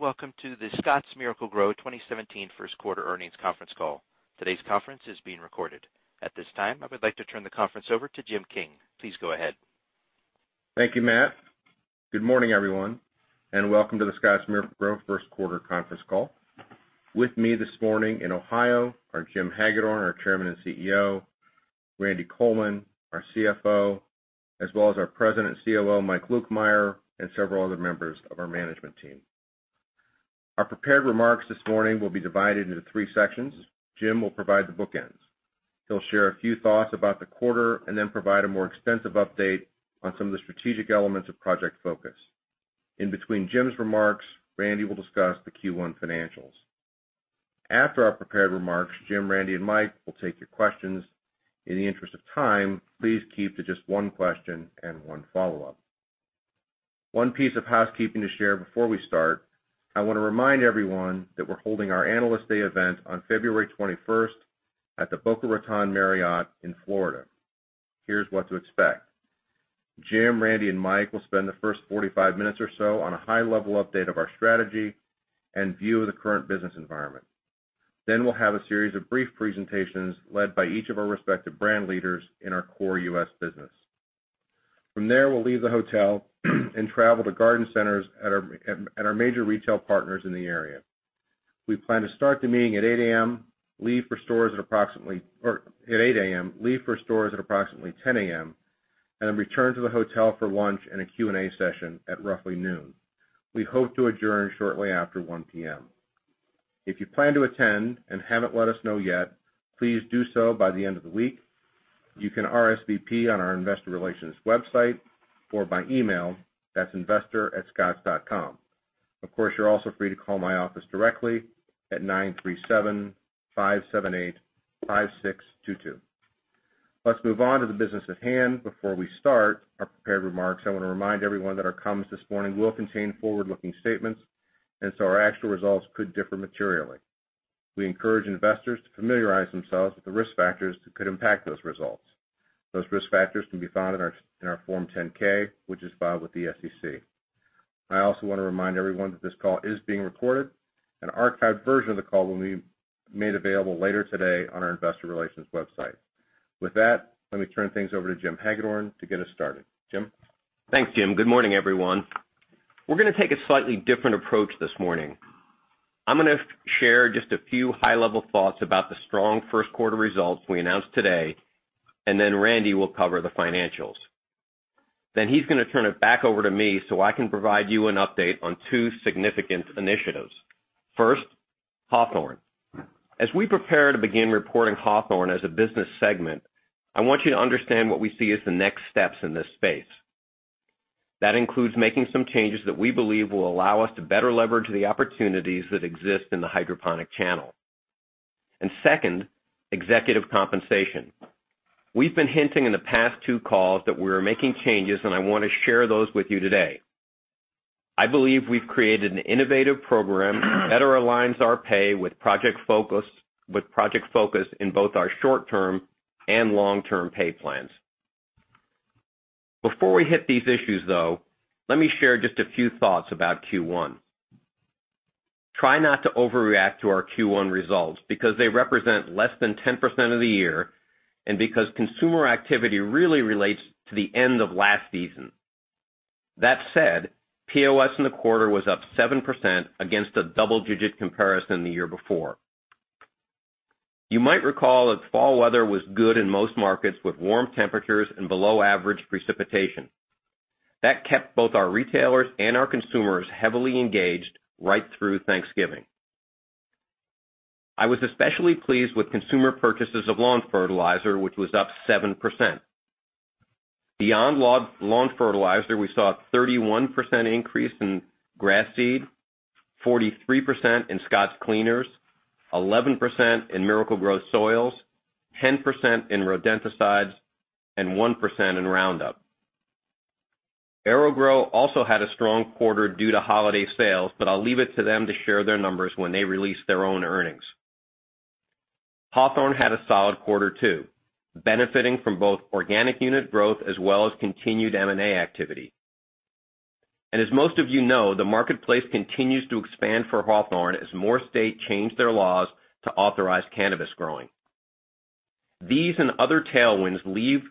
Welcome to The Scotts Miracle-Gro 2017 first quarter earnings conference call. Today's conference is being recorded. At this time, I would like to turn the conference over to Jim King. Please go ahead. Thank you, Matt. Good morning, everyone, welcome to The Scotts Miracle-Gro first quarter conference call. With me this morning in Ohio are Jim Hagedorn, our Chairman and CEO, Randy Coleman, our CFO, as well as our President and COO, Mike Lukemire, and several other members of our management team. Our prepared remarks this morning will be divided into three sections. Jim will provide the bookends. He'll share a few thoughts about the quarter and then provide a more extensive update on some of the strategic elements of Project Focus. In between Jim's remarks, Randy will discuss the Q1 financials. After our prepared remarks, Jim, Randy, and Mike will take your questions. In the interest of time, please keep to just one question and one follow-up. One piece of housekeeping to share before we start. I want to remind everyone that we're holding our Analyst Day event on February 21st at the Boca Raton Marriott in Florida. Here's what to expect. Jim, Randy, and Mike will spend the first 45 minutes or so on a high-level update of our strategy and view of the current business environment. We'll have a series of brief presentations led by each of our respective brand leaders in our core U.S. business. From there, we'll leave the hotel and travel to garden centers at our major retail partners in the area. We plan to start the meeting at 8:00 A.M., leave for stores at approximately 10:00 A.M., and then return to the hotel for lunch and a Q&A session at roughly noon. We hope to adjourn shortly after 1:00 P.M. If you plan to attend and haven't let us know yet, please do so by the end of the week. You can RSVP on our investor relations website or by email. That's investor@scotts.com. Of course, you're also free to call my office directly at 937-578-5622. Let's move on to the business at hand. Before we start our prepared remarks, I want to remind everyone that our comments this morning will contain forward-looking statements, our actual results could differ materially. We encourage investors to familiarize themselves with the risk factors that could impact those results. Those risk factors can be found in our Form 10-K, which is filed with the SEC. I also want to remind everyone that this call is being recorded. An archived version of the call will be made available later today on our investor relations website. With that, let me turn things over to Jim Hagedorn to get us started. Jim? Thanks, Jim. Good morning, everyone. We're going to take a slightly different approach this morning. I'm going to share just a few high-level thoughts about the strong first quarter results we announced today, Randy will cover the financials. He's going to turn it back over to me so I can provide you an update on two significant initiatives. First, Hawthorne. As we prepare to begin reporting Hawthorne as a business segment, I want you to understand what we see as the next steps in this space. That includes making some changes that we believe will allow us to better leverage the opportunities that exist in the hydroponic channel. Second, executive compensation. We've been hinting in the past two calls that we're making changes, and I want to share those with you today. I believe we've created an innovative program that aligns our pay with Project Focus in both our short-term and long-term pay plans. Before we hit these issues, though, let me share just a few thoughts about Q1. Try not to overreact to our Q1 results because they represent less than 10% of the year and because consumer activity really relates to the end of last season. That said, POS in the quarter was up 7% against a double-digit comparison the year before. You might recall that fall weather was good in most markets with warm temperatures and below-average precipitation. That kept both our retailers and our consumers heavily engaged right through Thanksgiving. I was especially pleased with consumer purchases of lawn fertilizer, which was up 7%. Beyond lawn fertilizer, we saw a 31% increase in grass seed, 43% in Scotts cleaners, 11% in Miracle-Gro soils, 10% in rodenticides, and 1% in Roundup. AeroGrow also had a strong quarter due to holiday sales, but I'll leave it to them to share their numbers when they release their own earnings. Hawthorne had a solid quarter, too, benefiting from both organic unit growth as well as continued M&A activity. As most of you know, the marketplace continues to expand for Hawthorne as more states change their laws to authorize cannabis growing. These and other tailwinds leave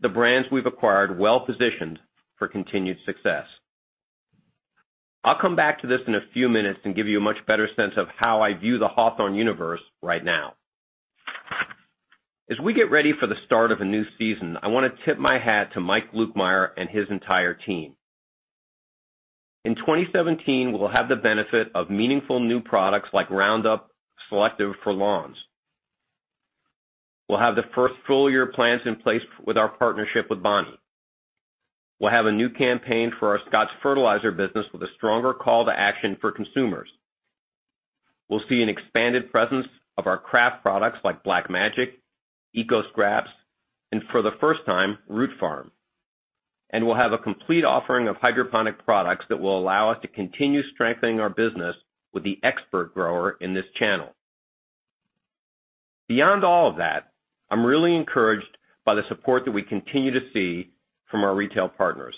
the brands we've acquired well-positioned for continued success. I'll come back to this in a few minutes and give you a much better sense of how I view the Hawthorne universe right now. As we get ready for the start of a new season, I want to tip my hat to Mike Lukemire and his entire team. In 2017, we'll have the benefit of meaningful new products like Roundup Selective for Lawns. We'll have the first full-year plans in place with our partnership with Bonnie. We'll have a new campaign for our Scotts fertilizer business with a stronger call to action for consumers. We'll see an expanded presence of our craft products like Black Magic, EcoScraps, and for the first time, Root Farm. And we'll have a complete offering of hydroponic products that will allow us to continue strengthening our business with the expert grower in this channel. Beyond all of that, I'm really encouraged by the support that we continue to see from our retail partners,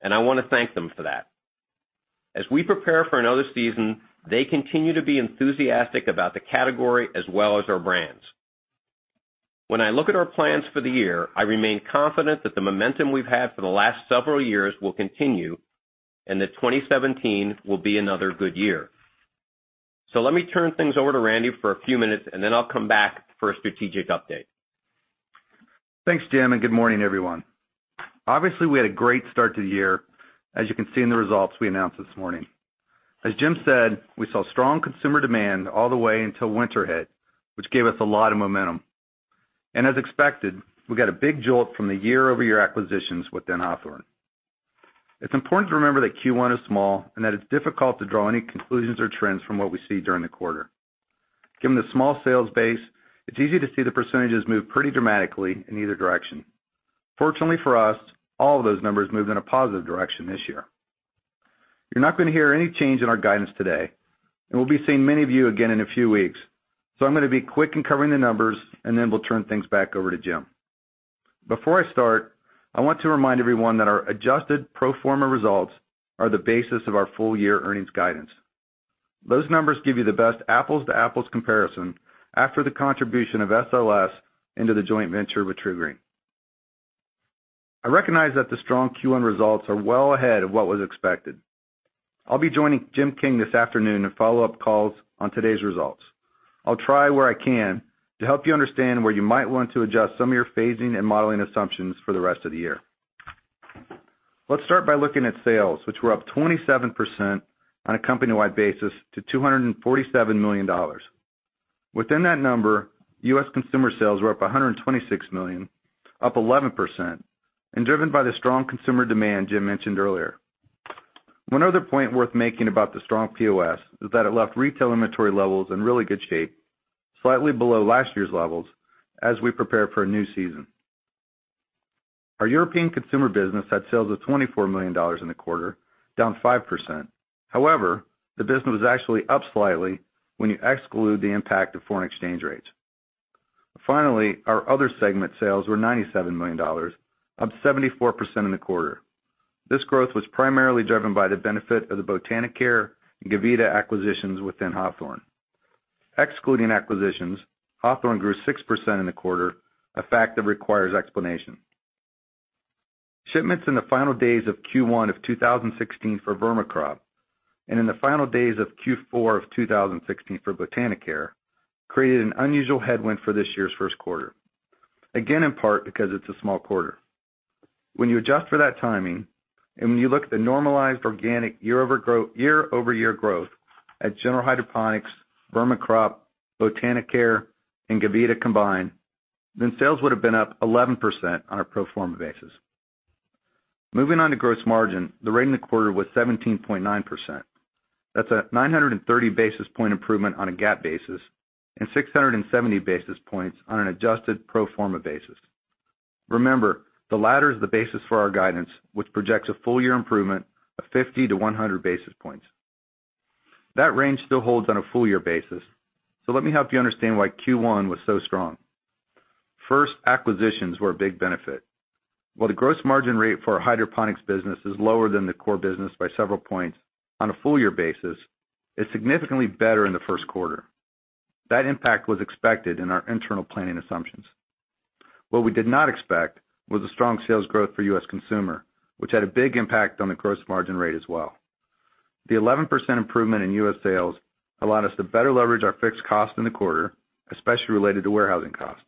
and I want to thank them for that. As we prepare for another season, they continue to be enthusiastic about the category as well as our brands. When I look at our plans for the year, I remain confident that the momentum we've had for the last several years will continue and that 2017 will be another good year. Let me turn things over to Randy for a few minutes, and then I'll come back for a strategic update. Thanks, Jim, and good morning, everyone. Obviously, we had a great start to the year, as you can see in the results we announced this morning. As Jim said, we saw strong consumer demand all the way until winter hit, which gave us a lot of momentum. And as expected, we got a big jolt from the year-over-year acquisitions within Hawthorne. It's important to remember that Q1 is small and that it's difficult to draw any conclusions or trends from what we see during the quarter. Given the small sales base, it's easy to see the percentages move pretty dramatically in either direction. Fortunately for us, all of those numbers moved in a positive direction this year. You're not going to hear any change in our guidance today, and we'll be seeing many of you again in a few weeks, I'm going to be quick in covering the numbers, and then we'll turn things back over to Jim. Before I start, I want to remind everyone that our adjusted pro forma results are the basis of our full year earnings guidance. Those numbers give you the best apples to apples comparison after the contribution of SLS into the joint venture with TruGreen. I recognize that the strong Q1 results are well ahead of what was expected. I'll be joining Jim King this afternoon in follow-up calls on today's results. I'll try where I can to help you understand where you might want to adjust some of your phasing and modeling assumptions for the rest of the year. Let's start by looking at sales, which were up 27% on a company-wide basis to $247 million. Within that number, U.S. consumer sales were up $126 million, up 11%, driven by the strong consumer demand Jim mentioned earlier. One other point worth making about the strong POS is that it left retail inventory levels in really good shape, slightly below last year's levels as we prepare for a new season. Our European consumer business had sales of $24 million in the quarter, down 5%. The business was actually up slightly when you exclude the impact of foreign exchange rates. Our other segment sales were $97 million, up 74% in the quarter. This growth was primarily driven by the benefit of the Botanicare and Gavita acquisitions within Hawthorne. Excluding acquisitions, Hawthorne grew 6% in the quarter, a fact that requires explanation. Shipments in the final days of Q1 of 2016 for Vermicrop, and in the final days of Q4 of 2016 for Botanicare, created an unusual headwind for this year's first quarter, again, in part because it's a small quarter. When you adjust for that timing, and when you look at the normalized organic year-over-year growth at General Hydroponics, Vermicrop, Botanicare, and Gavita combined, sales would've been up 11% on a pro forma basis. Moving on to gross margin, the rate in the quarter was 17.9%. That's a 930 basis point improvement on a GAAP basis and 670 basis points on an adjusted pro forma basis. Remember, the latter is the basis for our guidance, which projects a full year improvement of 50 to 100 basis points. That range still holds on a full year basis. Let me help you understand why Q1 was so strong. Acquisitions were a big benefit. While the gross margin rate for our hydroponics business is lower than the core business by several points, on a full year basis, it's significantly better in the first quarter. That impact was expected in our internal planning assumptions. What we did not expect was the strong sales growth for U.S. consumer, which had a big impact on the gross margin rate as well. The 11% improvement in U.S. sales allowed us to better leverage our fixed cost in the quarter, especially related to warehousing costs.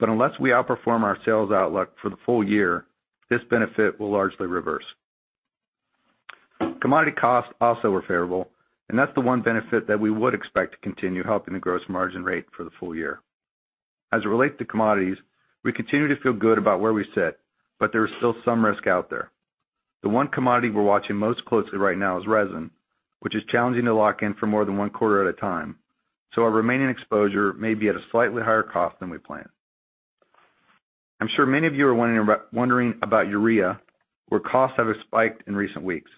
Unless we outperform our sales outlook for the full year, this benefit will largely reverse. Commodity costs also were favorable. That's the one benefit that we would expect to continue helping the gross margin rate for the full year. As it relates to commodities, we continue to feel good about where we sit. There is still some risk out there. The one commodity we're watching most closely right now is resin, which is challenging to lock in for more than one quarter at a time. Our remaining exposure may be at a slightly higher cost than we planned. I'm sure many of you are wondering about urea, where costs have spiked in recent weeks.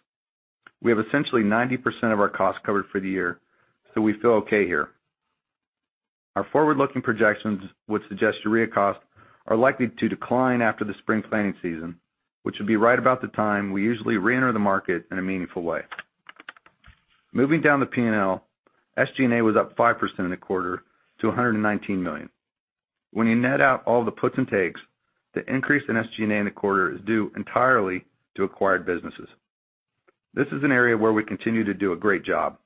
We have essentially 90% of our costs covered for the year. We feel okay here. Our forward-looking projections would suggest urea costs are likely to decline after the spring planting season, which would be right about the time we usually reenter the market in a meaningful way. Moving down the P&L, SG&A was up 5% in the quarter to $119 million. When you net out all the puts and takes, the increase in SG&A in the quarter is due entirely to acquired businesses. This is an area where we continue to do a great job.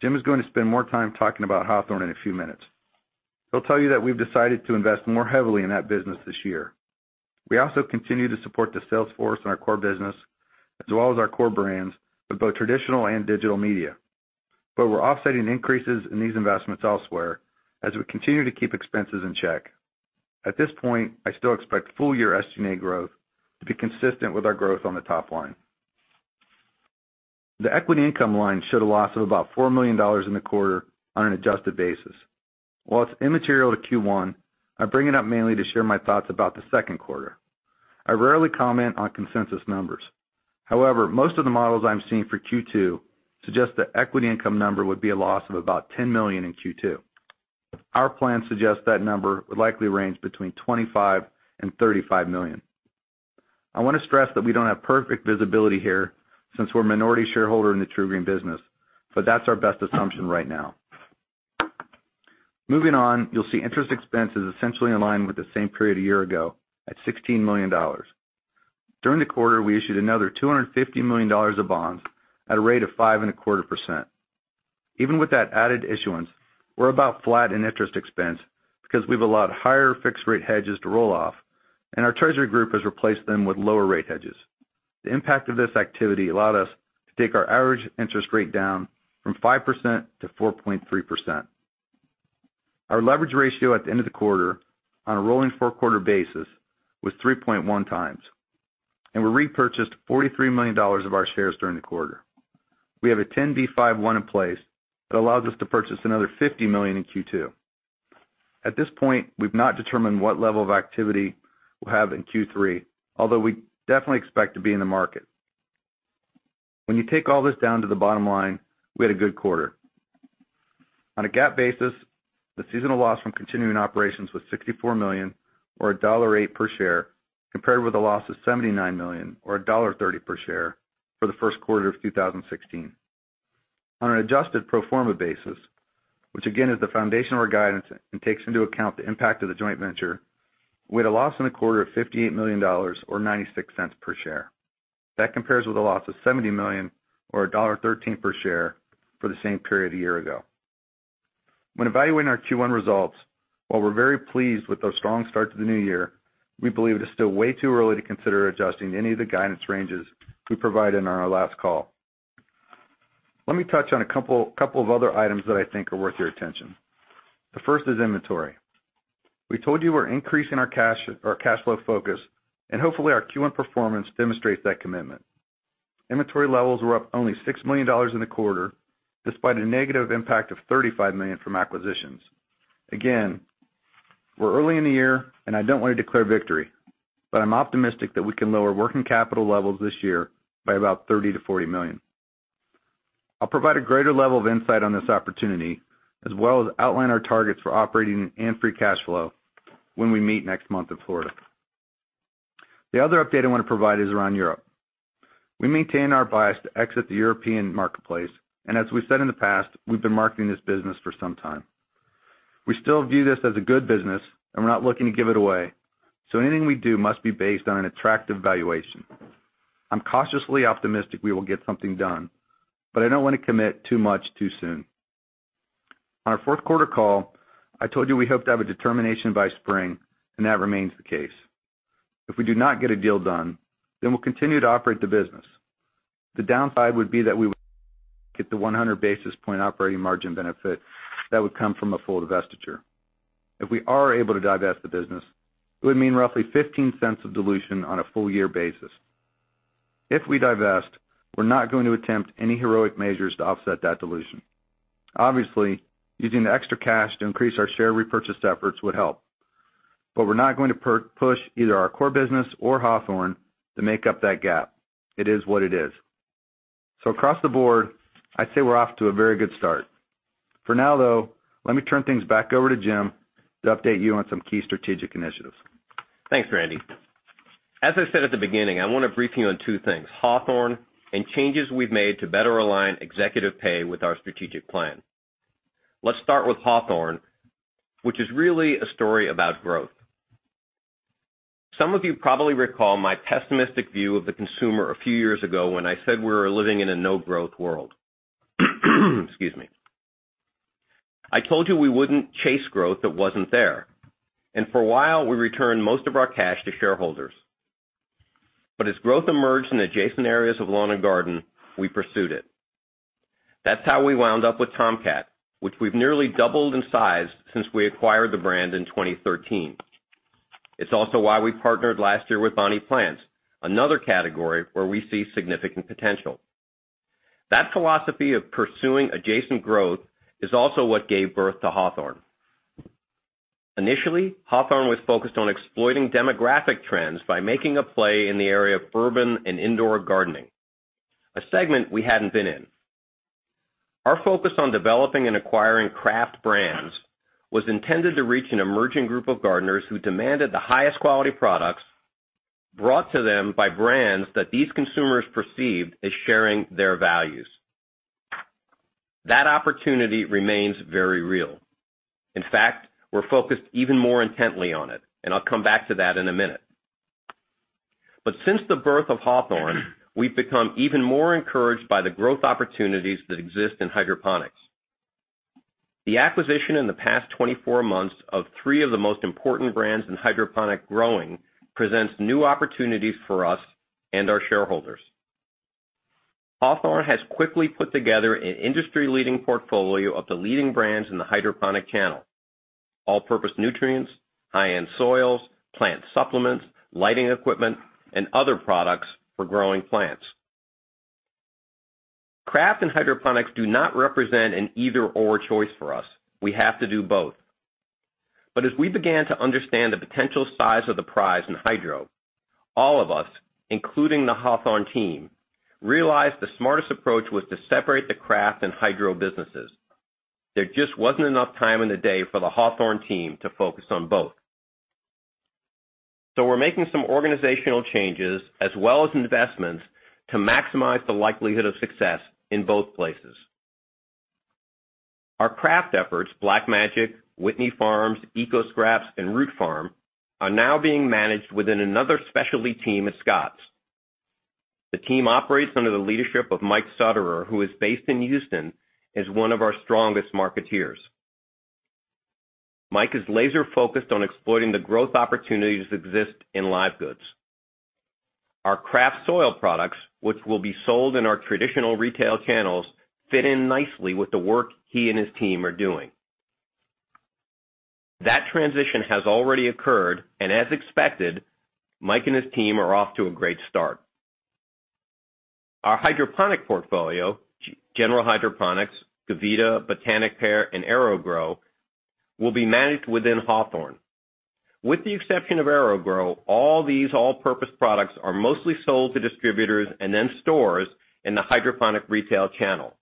Jim is going to spend more time talking about Hawthorne in a few minutes. He'll tell you that we've decided to invest more heavily in that business this year. We also continue to support the sales force in our core business, as well as our core brands with both traditional and digital media. We're offsetting increases in these investments elsewhere as we continue to keep expenses in check. At this point, I still expect full year SG&A growth to be consistent with our growth on the top line. The equity income line showed a loss of about $4 million in the quarter on an adjusted basis. While it's immaterial to Q1, I bring it up mainly to share my thoughts about the second quarter. I rarely comment on consensus numbers. However, most of the models I'm seeing for Q2 suggest the equity income number would be a loss of about $10 million in Q2. Our plan suggests that number would likely range between $25 million and $35 million. I want to stress that we don't have perfect visibility here since we're a minority shareholder in the TruGreen business, but that's our best assumption right now. Moving on, you'll see interest expense is essentially in line with the same period a year ago at $16 million. During the quarter, we issued another $250 million of bonds at a rate of 5.25%. Even with that added issuance, we're about flat in interest expense because we've allowed higher fixed rate hedges to roll off, and our treasury group has replaced them with lower rate hedges. The impact of this activity allowed us to take our average interest rate down from 5% to 4.3%. Our leverage ratio at the end of the quarter on a rolling four-quarter basis was 3.1 times, and we repurchased $43 million of our shares during the quarter. We have a 10b5-1 in place that allows us to purchase another $50 million in Q2. At this point, we've not determined what level of activity we'll have in Q3, although we definitely expect to be in the market. When you take all this down to the bottom line, we had a good quarter. On a GAAP basis, the seasonal loss from continuing operations was $64 million, or $1.08 per share, compared with a loss of $79 million, or $1.30 per share, for the first quarter of 2016. On an adjusted pro forma basis, which again, is the foundation of our guidance and takes into account the impact of the joint venture, we had a loss in the quarter of $58 million, or $0.96 per share. That compares with a loss of $70 million, or $1.13 per share, for the same period a year ago. When evaluating our Q1 results, while we're very pleased with the strong start to the new year, we believe it is still way too early to consider adjusting any of the guidance ranges we provided on our last call. Let me touch on a couple of other items that I think are worth your attention. The first is inventory. We told you we're increasing our cash flow focus, and hopefully our Q1 performance demonstrates that commitment. Inventory levels were up only $6 million in the quarter, despite a negative impact of $35 million from acquisitions. Again, we're early in the year, and I don't want to declare victory, but I'm optimistic that we can lower working capital levels this year by about $30 million to $40 million. I'll provide a greater level of insight on this opportunity, as well as outline our targets for operating and free cash flow when we meet next month in Florida. The other update I want to provide is around Europe. We maintain our bias to exit the European marketplace, and as we've said in the past, we've been marketing this business for some time. We still view this as a good business, and we're not looking to give it away, so anything we do must be based on an attractive valuation. I'm cautiously optimistic we will get something done, but I don't want to commit too much too soon. On our fourth quarter call, I told you we hope to have a determination by spring, and that remains the case. If we do not get a deal done, then we'll continue to operate the business. The downside would be that we would not get the 100 basis point operating margin benefit that would come from a full divestiture. If we are able to divest the business, it would mean roughly $0.15 of dilution on a full year basis. If we divest, we're not going to attempt any heroic measures to offset that dilution. Obviously, using the extra cash to increase our share repurchase efforts would help, but we're not going to push either our core business or Hawthorne to make up that gap. It is what it is. Across the board, I'd say we're off to a very good start. For now, though, let me turn things back over to Jim to update you on some key strategic initiatives. Thanks, Randy. As I said at the beginning, I want to brief you on two things, Hawthorne and changes we've made to better align executive pay with our strategic plan. Let's start with Hawthorne, which is really a story about growth. Some of you probably recall my pessimistic view of the consumer a few years ago when I said we were living in a no-growth world. Excuse me. I told you we wouldn't chase growth that wasn't there, and for a while, we returned most of our cash to shareholders. As growth emerged in adjacent areas of lawn and garden, we pursued it. That's how we wound up with Tomcat, which we've nearly doubled in size since we acquired the brand in 2013. It's also why we partnered last year with Bonnie Plants, another category where we see significant potential. That philosophy of pursuing adjacent growth is also what gave birth to Hawthorne. Initially, Hawthorne was focused on exploiting demographic trends by making a play in the area of urban and indoor gardening, a segment we hadn't been in. Our focus on developing and acquiring craft brands was intended to reach an emerging group of gardeners who demanded the highest quality products brought to them by brands that these consumers perceived as sharing their values. That opportunity remains very real. In fact, we're focused even more intently on it, and I'll come back to that in a minute. Since the birth of Hawthorne, we've become even more encouraged by the growth opportunities that exist in hydroponics. The acquisition in the past 24 months of three of the most important brands in hydroponic growing presents new opportunities for us and our shareholders. Hawthorne has quickly put together an industry-leading portfolio of the leading brands in the hydroponic channel: all-purpose nutrients, high-end soils, plant supplements, lighting equipment, and other products for growing plants. Craft and hydroponics do not represent an either/or choice for us. We have to do both. As we began to understand the potential size of the prize in hydro, all of us, including the Hawthorne team, realized the smartest approach was to separate the craft and hydro businesses. There just wasn't enough time in the day for the Hawthorne team to focus on both. We're making some organizational changes as well as investments to maximize the likelihood of success in both places. Our craft efforts, Black Magic, Whitney Farms, EcoScraps, and Root Farm, are now being managed within another specialty team at Scotts. The team operates under the leadership of Mike Sutterer, who is based in Houston, as one of our strongest marketeers. Mike is laser-focused on exploiting the growth opportunities that exist in live goods. Our craft soil products, which will be sold in our traditional retail channels, fit in nicely with the work he and his team are doing. That transition has already occurred, and as expected, Mike and his team are off to a great start. Our hydroponic portfolio, General Hydroponics, Gavita, Botanicare, and AeroGrow, will be managed within Hawthorne. With the exception of AeroGrow, all these all-purpose products are mostly sold to distributors and then stores in the hydroponic retail channel,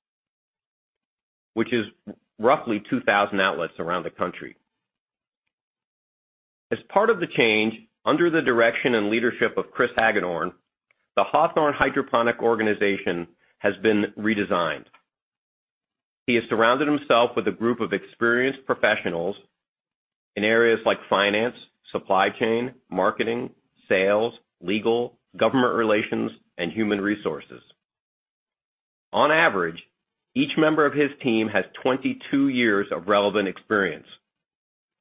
which is roughly 2,000 outlets around the country. As part of the change, under the direction and leadership of Chris Hagedorn, the Hawthorne hydroponic organization has been redesigned. He has surrounded himself with a group of experienced professionals in areas like finance, supply chain, marketing, sales, legal, government relations, and human resources. On average, each member of his team has 22 years of relevant experience.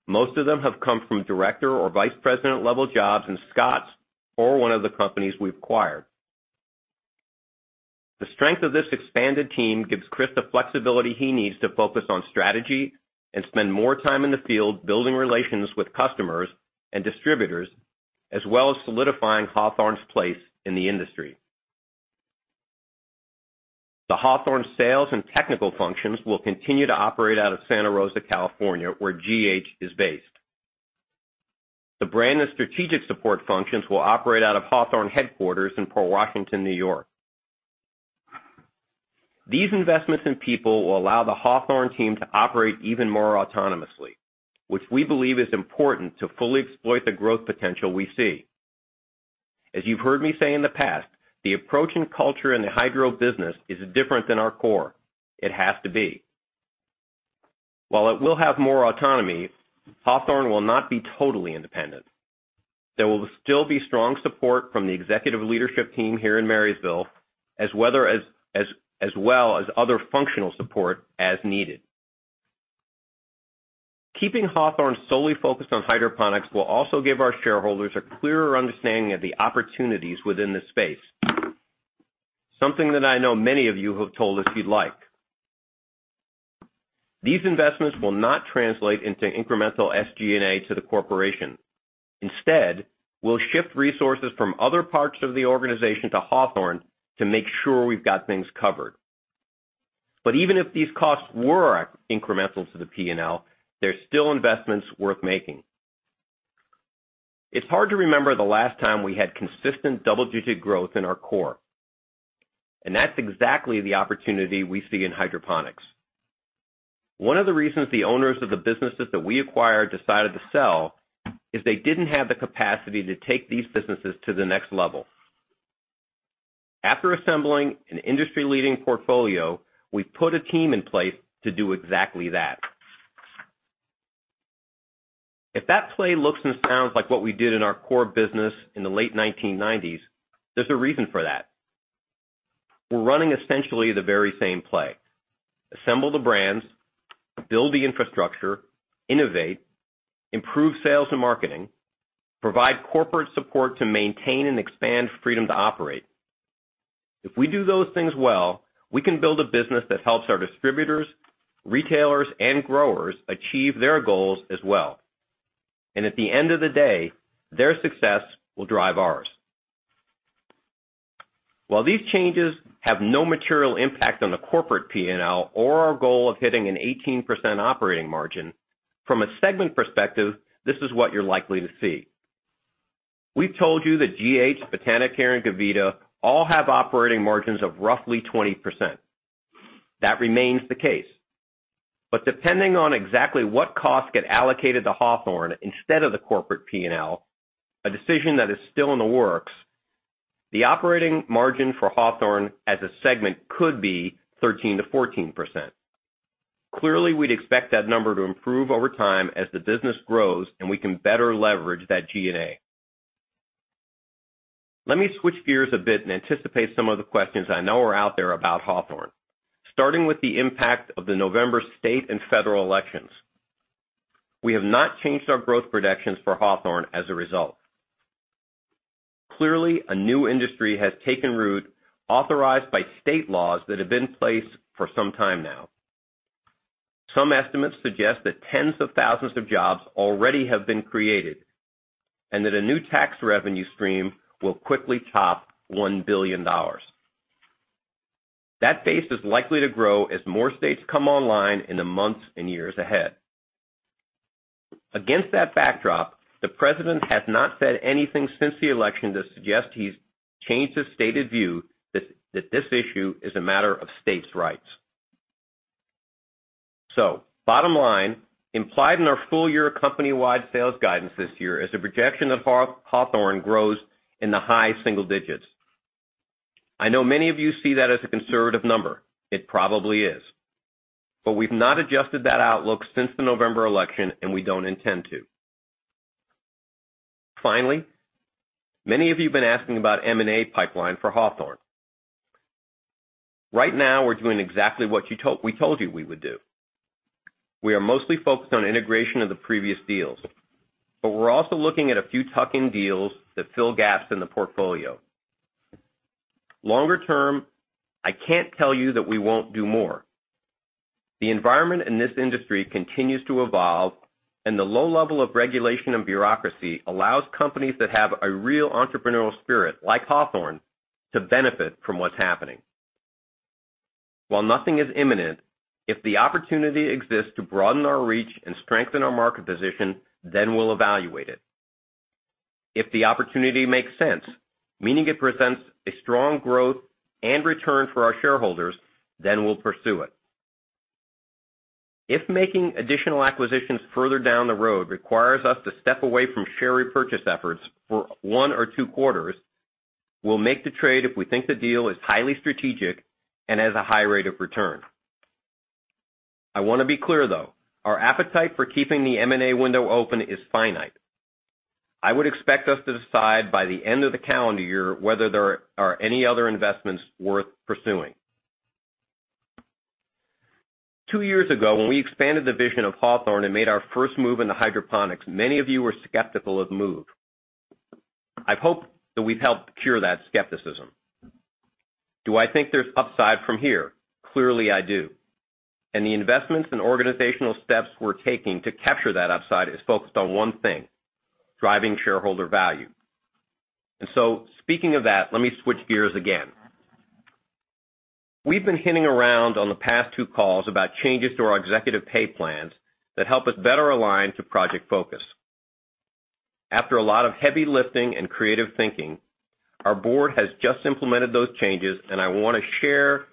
Most of them have come from director or vice president level jobs in Scotts or one of the companies we've acquired. The strength of this expanded team gives Chris the flexibility he needs to focus on strategy and spend more time in the field building relations with customers and distributors, as well as solidifying Hawthorne's place in the industry. The Hawthorne sales and technical functions will continue to operate out of Santa Rosa, California, where GH is based. The brand and strategic support functions will operate out of Hawthorne headquarters in Port Washington, New York. These investments in people will allow the Hawthorne team to operate even more autonomously, which we believe is important to fully exploit the growth potential we see. As you've heard me say in the past, the approach and culture in the hydro business is different than our core. It has to be. While it will have more autonomy, Hawthorne will not be totally independent. There will still be strong support from the executive leadership team here in Marysville as well as other functional support as needed. Keeping Hawthorne solely focused on hydroponics will also give our shareholders a clearer understanding of the opportunities within the space, something that I know many of you have told us you'd like. These investments will not translate into incremental SG&A to the corporation. Instead, we'll shift resources from other parts of the organization to Hawthorne to make sure we've got things covered. Even if these costs were incremental to the P&L, they're still investments worth making. It's hard to remember the last time we had consistent double-digit growth in our core, and that's exactly the opportunity we see in hydroponics. One of the reasons the owners of the businesses that we acquired decided to sell is they didn't have the capacity to take these businesses to the next level. After assembling an industry-leading portfolio, we put a team in place to do exactly that. If that play looks and sounds like what we did in our core business in the late 1990s, there's a reason for that. We're running essentially the very same play. Assemble the brands, build the infrastructure, innovate, improve sales and marketing, provide corporate support to maintain and expand freedom to operate. If we do those things well, we can build a business that helps our distributors, retailers, and growers achieve their goals as well. At the end of the day, their success will drive ours. While these changes have no material impact on the corporate P&L or our goal of hitting an 18% operating margin, from a segment perspective, this is what you're likely to see. We've told you that GH, Botanicare, and Gavita all have operating margins of roughly 20%. That remains the case. Depending on exactly what costs get allocated to Hawthorne instead of the corporate P&L, a decision that is still in the works, the operating margin for Hawthorne as a segment could be 13%-14%. Clearly, we'd expect that number to improve over time as the business grows and we can better leverage that G&A. Let me switch gears a bit and anticipate some of the questions I know are out there about Hawthorne, starting with the impact of the November state and federal elections. We have not changed our growth projections for Hawthorne as a result. Clearly, a new industry has taken root, authorized by state laws that have been in place for some time now. Some estimates suggest that tens of thousands of jobs already have been created, and that a new tax revenue stream will quickly top $1 billion. That base is likely to grow as more states come online in the months and years ahead. Against that backdrop, the president has not said anything since the election to suggest he's changed his stated view that this issue is a matter of states' rights. Bottom line, implied in our full-year company-wide sales guidance this year is a projection that Hawthorne grows in the high single digits. I know many of you see that as a conservative number. It probably is. We've not adjusted that outlook since the November election, and we don't intend to. Finally, many of you been asking about M&A pipeline for Hawthorne. Right now, we're doing exactly what we told you we would do. We are mostly focused on integration of the previous deals, but we're also looking at a few tuck-in deals that fill gaps in the portfolio. Longer term, I can't tell you that we won't do more. The environment in this industry continues to evolve, and the low level of regulation and bureaucracy allows companies that have a real entrepreneurial spirit, like Hawthorne, to benefit from what's happening. While nothing is imminent, if the opportunity exists to broaden our reach and strengthen our market position, we'll evaluate it. If the opportunity makes sense, meaning it presents a strong growth and return for our shareholders, we'll pursue it. If making additional acquisitions further down the road requires us to step away from share repurchase efforts for one or two quarters, we'll make the trade if we think the deal is highly strategic and has a high rate of return. I want to be clear, though, our appetite for keeping the M&A window open is finite. I would expect us to decide by the end of the calendar year whether there are any other investments worth pursuing. Two years ago, when we expanded the vision of Hawthorne and made our first move into hydroponics, many of you were skeptical of the move. I hope that we've helped cure that skepticism. Do I think there's upside from here? Clearly, I do. The investments and organizational steps we're taking to capture that upside is focused on one thing: driving shareholder value. Speaking of that, let me switch gears again. We've been hinting around on the past two calls about changes to our executive pay plans that help us better align to Project Focus. After a lot of heavy lifting and creative thinking, our board has just implemented those changes, and I want to share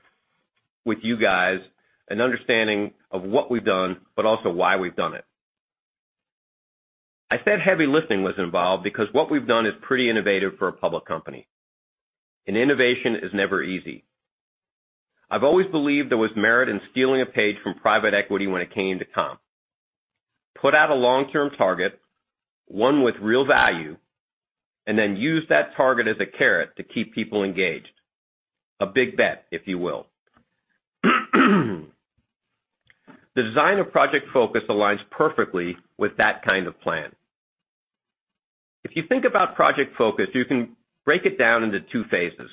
with you guys an understanding of what we've done, but also why we've done it. I said heavy lifting was involved because what we've done is pretty innovative for a public company. Innovation is never easy. I've always believed there was merit in stealing a page from private equity when it came to comp. Put out a long-term target, one with real value, use that target as a carrot to keep people engaged. A big bet, if you will. The design of Project Focus aligns perfectly with that kind of plan. If you think about Project Focus, you can break it down into two phases.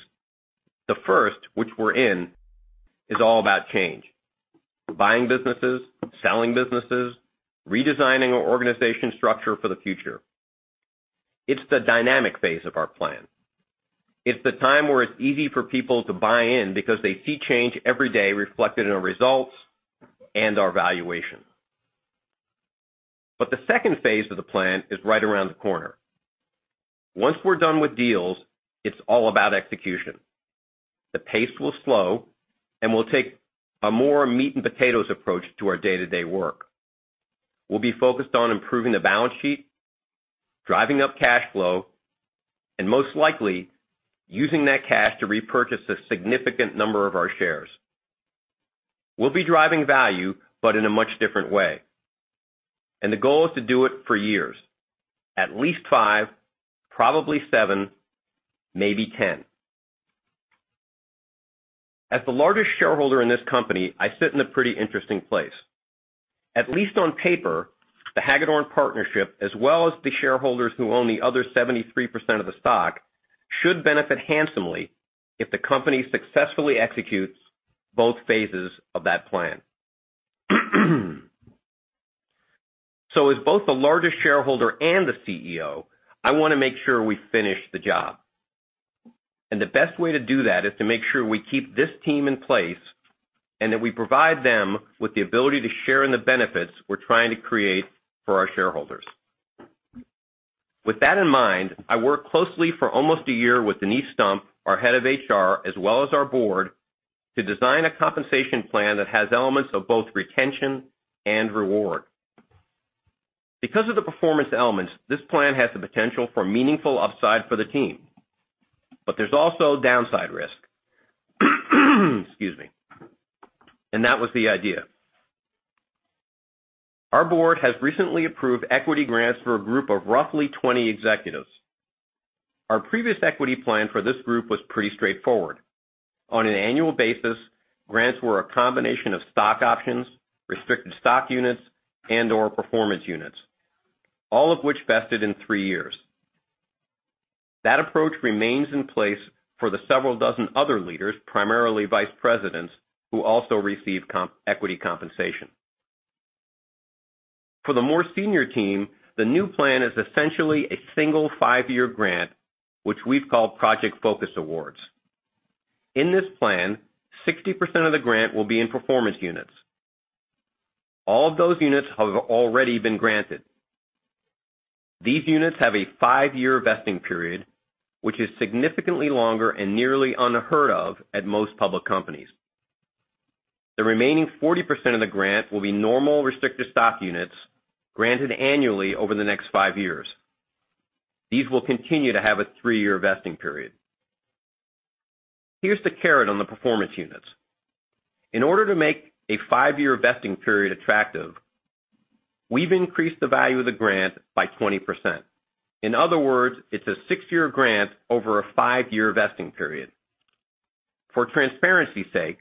The first, which we're in, is all about change, buying businesses, selling businesses, redesigning our organization structure for the future. It's the dynamic phase of our plan. It's the time where it's easy for people to buy in because they see change every day reflected in our results and our valuation. The second phase of the plan is right around the corner. Once we're done with deals, it's all about execution. The pace will slow, and we'll take a more meat and potatoes approach to our day-to-day work. We'll be focused on improving the balance sheet, driving up cash flow, and most likely, using that cash to repurchase a significant number of our shares. We'll be driving value, but in a much different way. The goal is to do it for years, at least five, probably seven, maybe 10. As the largest shareholder in this company, I sit in a pretty interesting place. At least on paper, the Hagedorn Partnership, as well as the shareholders who own the other 73% of the stock, should benefit handsomely if the company successfully executes both phases of that plan. As both the largest shareholder and the CEO, I want to make sure we finish the job. The best way to do that is to make sure we keep this team in place and that we provide them with the ability to share in the benefits we're trying to create for our shareholders. With that in mind, I worked closely for almost a year with Denise Stump, our head of HR, as well as our board, to design a compensation plan that has elements of both retention and reward. Because of the performance elements, this plan has the potential for meaningful upside for the team, but there's also downside risk. Excuse me. That was the idea. Our board has recently approved equity grants for a group of roughly 20 executives. Our previous equity plan for this group was pretty straightforward. On an annual basis, grants were a combination of stock options, restricted stock units, and or performance units, all of which vested in three years. That approach remains in place for the several dozen other leaders, primarily vice presidents, who also receive equity compensation. For the more senior team, the new plan is essentially a single five-year grant, which we've called Project Focus Awards. In this plan, 60% of the grant will be in performance units. All of those units have already been granted. These units have a five-year vesting period, which is significantly longer and nearly unheard of at most public companies. The remaining 40% of the grant will be normal restricted stock units granted annually over the next five years. These will continue to have a three-year vesting period. Here's the carrot on the performance units. In order to make a five-year vesting period attractive, we've increased the value of the grant by 20%. In other words, it's a six-year grant over a five-year vesting period. For transparency's sake,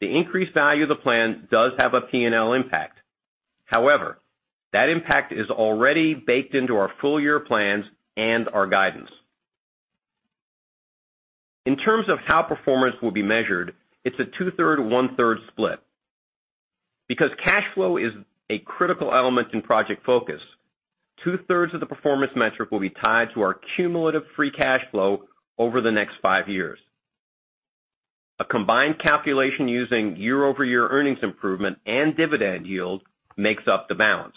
the increased value of the plan does have a P&L impact. However, that impact is already baked into our full-year plans and our guidance. In terms of how performance will be measured, it's a 2/3, 1/3 split. Because cash flow is a critical element in Project Focus, 2/3 of the performance metric will be tied to our cumulative free cash flow over the next five years. A combined calculation using year-over-year earnings improvement and dividend yield makes up the balance.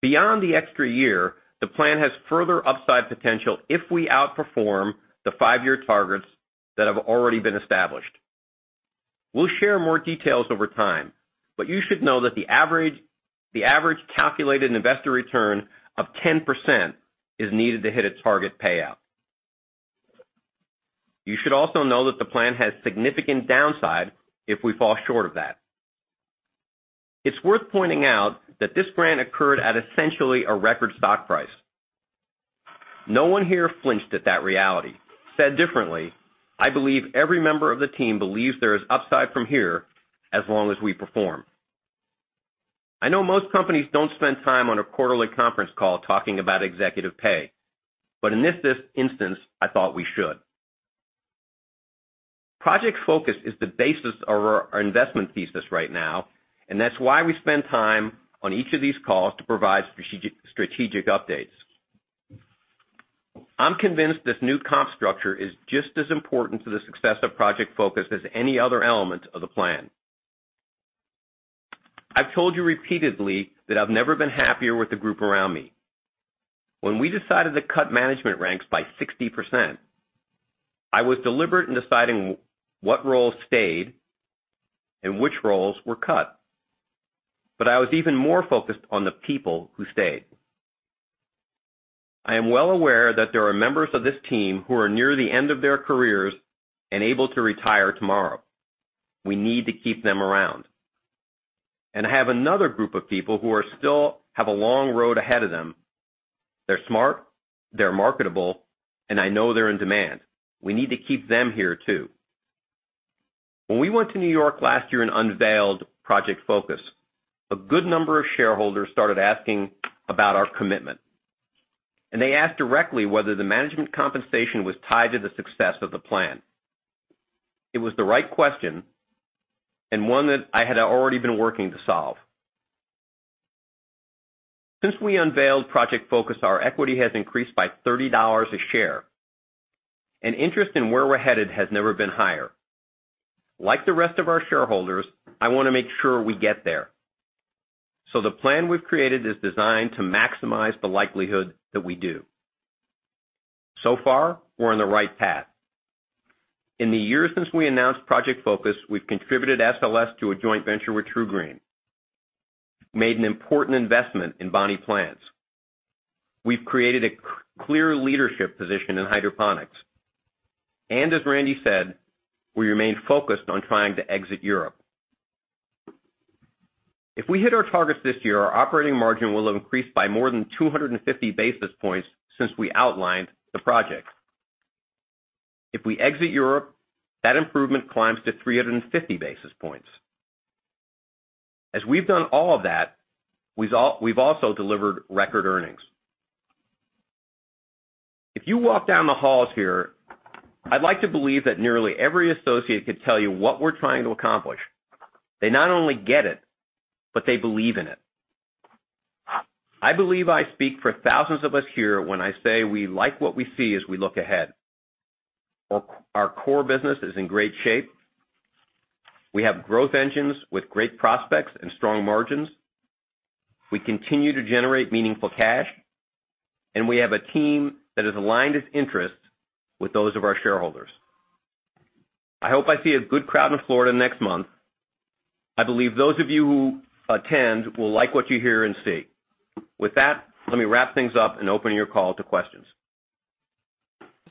Beyond the extra year, the plan has further upside potential if we outperform the five-year targets that have already been established. We'll share more details over time, but you should know that the average calculated investor return of 10% is needed to hit a target payout. You should also know that the plan has significant downside if we fall short of that. It's worth pointing out that this grant occurred at essentially a record stock price. No one here flinched at that reality. Said differently, I believe every member of the team believes there is upside from here as long as we perform. I know most companies don't spend time on a quarterly conference call talking about executive pay, but in this instance, I thought we should. Project Focus is the basis of our investment thesis right now, and that's why we spend time on each of these calls to provide strategic updates. I'm convinced this new comp structure is just as important to the success of Project Focus as any other element of the plan. I've told you repeatedly that I've never been happier with the group around me. When we decided to cut management ranks by 60%, I was deliberate in deciding what roles stayed and which roles were cut. I was even more focused on the people who stayed. I am well aware that there are members of this team who are near the end of their careers and able to retire tomorrow. We need to keep them around. I have another group of people who still have a long road ahead of them. They're smart, they're marketable, and I know they're in demand. We need to keep them here, too. When we went to New York last year and unveiled Project Focus, a good number of shareholders started asking about our commitment. They asked directly whether the management compensation was tied to the success of the plan. It was the right question and one that I had already been working to solve. Since we unveiled Project Focus, our equity has increased by $30 a share, and interest in where we're headed has never been higher. Like the rest of our shareholders, I want to make sure we get there, the plan we've created is designed to maximize the likelihood that we do. So far, we're on the right path. In the year since we announced Project Focus, we've contributed SLS to a joint venture with TruGreen, made an important investment in Bonnie Plants. We've created a clear leadership position in hydroponics. As Randy said, we remain focused on trying to exit Europe. If we hit our targets this year, our operating margin will have increased by more than 250 basis points since we outlined the project. If we exit Europe, that improvement climbs to 350 basis points. As we've done all of that, we've also delivered record earnings. If you walk down the halls here, I'd like to believe that nearly every associate could tell you what we're trying to accomplish. They not only get it, they believe in it. I believe I speak for thousands of us here when I say we like what we see as we look ahead. Our core business is in great shape. We have growth engines with great prospects and strong margins. We continue to generate meaningful cash, we have a team that has aligned its interests with those of our shareholders. I hope I see a good crowd in Florida next month. I believe those of you who attend will like what you hear and see. With that, let me wrap things up and open your call to questions.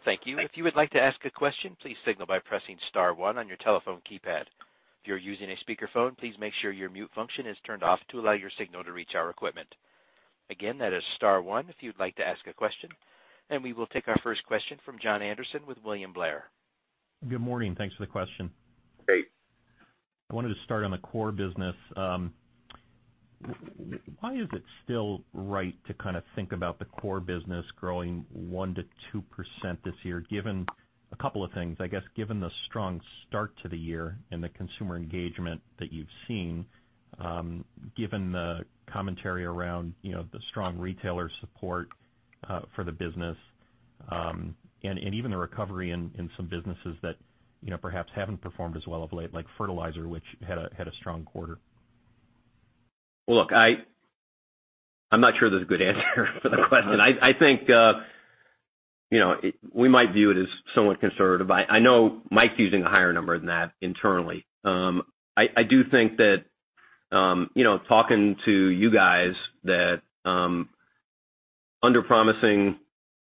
Thank you. If you would like to ask a question, please signal by pressing star one on your telephone keypad. If you're using a speakerphone, please make sure your mute function is turned off to allow your signal to reach our equipment. Again, that is star one if you'd like to ask a question, and we will take our first question from Jon Andersen with William Blair. Good morning. Thanks for the question. Great I wanted to start on the core business. Why is it still right to think about the core business growing 1% to 2% this year, given a couple of things? I guess, given the strong start to the year and the consumer engagement that you've seen, given the commentary around the strong retailer support for the business, and even the recovery in some businesses that perhaps haven't performed as well of late, like fertilizer, which had a strong quarter. Well, look, I'm not sure there's a good answer for the question. I think we might view it as somewhat conservative. I know Mike's using a higher number than that internally. I do think that, talking to you guys, that underpromising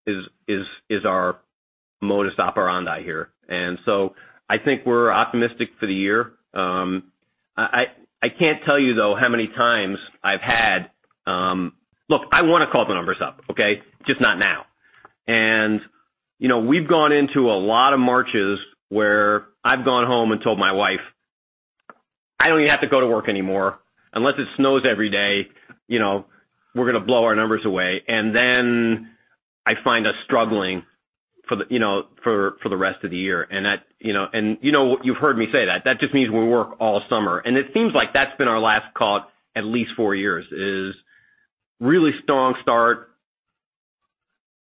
is our modus operandi here. And so I think we're optimistic for the year. I can't tell you, though, how many times I've had Look, I want to call the numbers up, okay? Just not now. And we've gone into a lot of Marches where I've gone home and told my wife, "I don't even have to go to work anymore. Unless it snows every day, we're going to blow our numbers away." And then I find us struggling for the rest of the year. And you've heard me say that. That just means we work all summer. It seems like that's been our last call at least 4 years, is really strong start,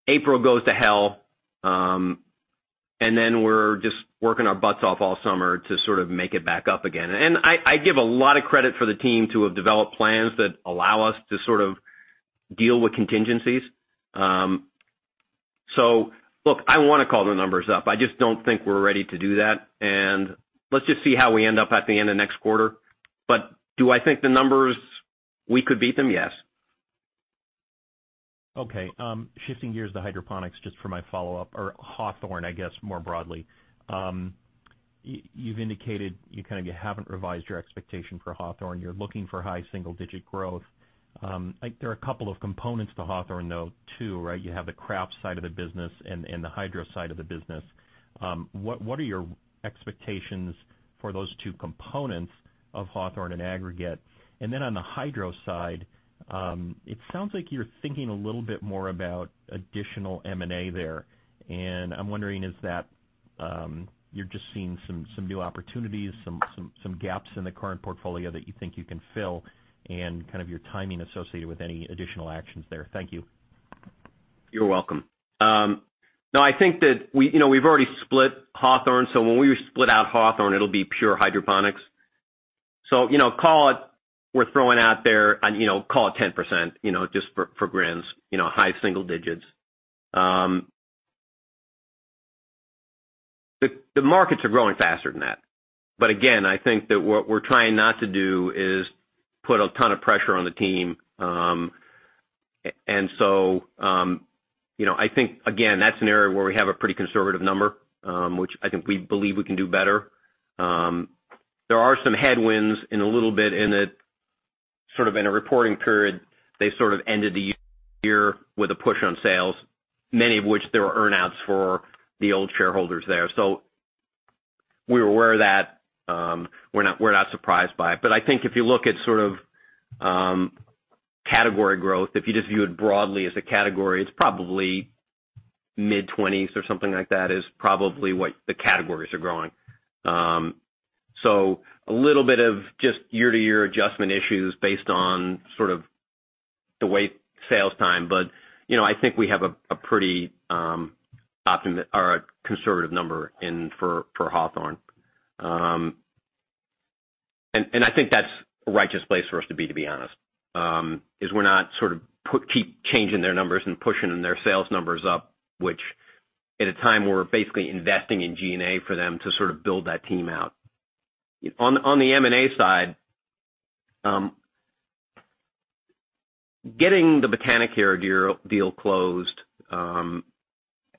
April goes to hell, then we're just working our butts off all summer to sort of make it back up again. I give a lot of credit for the team to have developed plans that allow us to sort of deal with contingencies. Look, I want to call the numbers up. I just don't think we're ready to do that. Let's just see how we end up at the end of next quarter. Do I think the numbers, we could beat them? Yes. Okay. Shifting gears to Hydroponics, just for my follow-up, or Hawthorne, I guess, more broadly. You've indicated you haven't revised your expectation for Hawthorne. You're looking for high single-digit growth. There are a couple of components to Hawthorne, though, too, right? You have the crafts side of the business and the hydro side of the business. What are your expectations for those two components of Hawthorne in aggregate? Then on the hydro side, it sounds like you're thinking a little bit more about additional M&A there. I'm wondering, is that you're just seeing some new opportunities, some gaps in the current portfolio that you think you can fill and kind of your timing associated with any additional actions there? Thank you. You're welcome. I think that we've already split Hawthorne. When we split out Hawthorne, it'll be pure hydroponics. Call it we're throwing out there, call it 10%, just for grins, high single digits. The markets are growing faster than that. Again, I think that what we're trying not to do is put a ton of pressure on the team. I think, again, that's an area where we have a pretty conservative number, which I think we believe we can do better. There are some headwinds in a little bit in it, sort of in a reporting period. They've sort of ended the year with a push on sales, many of which there were earn-outs for the old shareholders there. We're aware of that. We're not surprised by it. I think if you look at sort of category growth, if you just view it broadly as a category, it's probably mid-20s or something like that is probably what the categories are growing. A little bit of just year-to-year adjustment issues based on sort of the way sales time. I think we have a pretty conservative number for Hawthorne. I think that's a righteous place for us to be, to be honest, is we're not sort of keep changing their numbers and pushing their sales numbers up, which at a time we're basically investing in G&A for them to sort of build that team out. On the M&A side, getting the Botanicare deal closed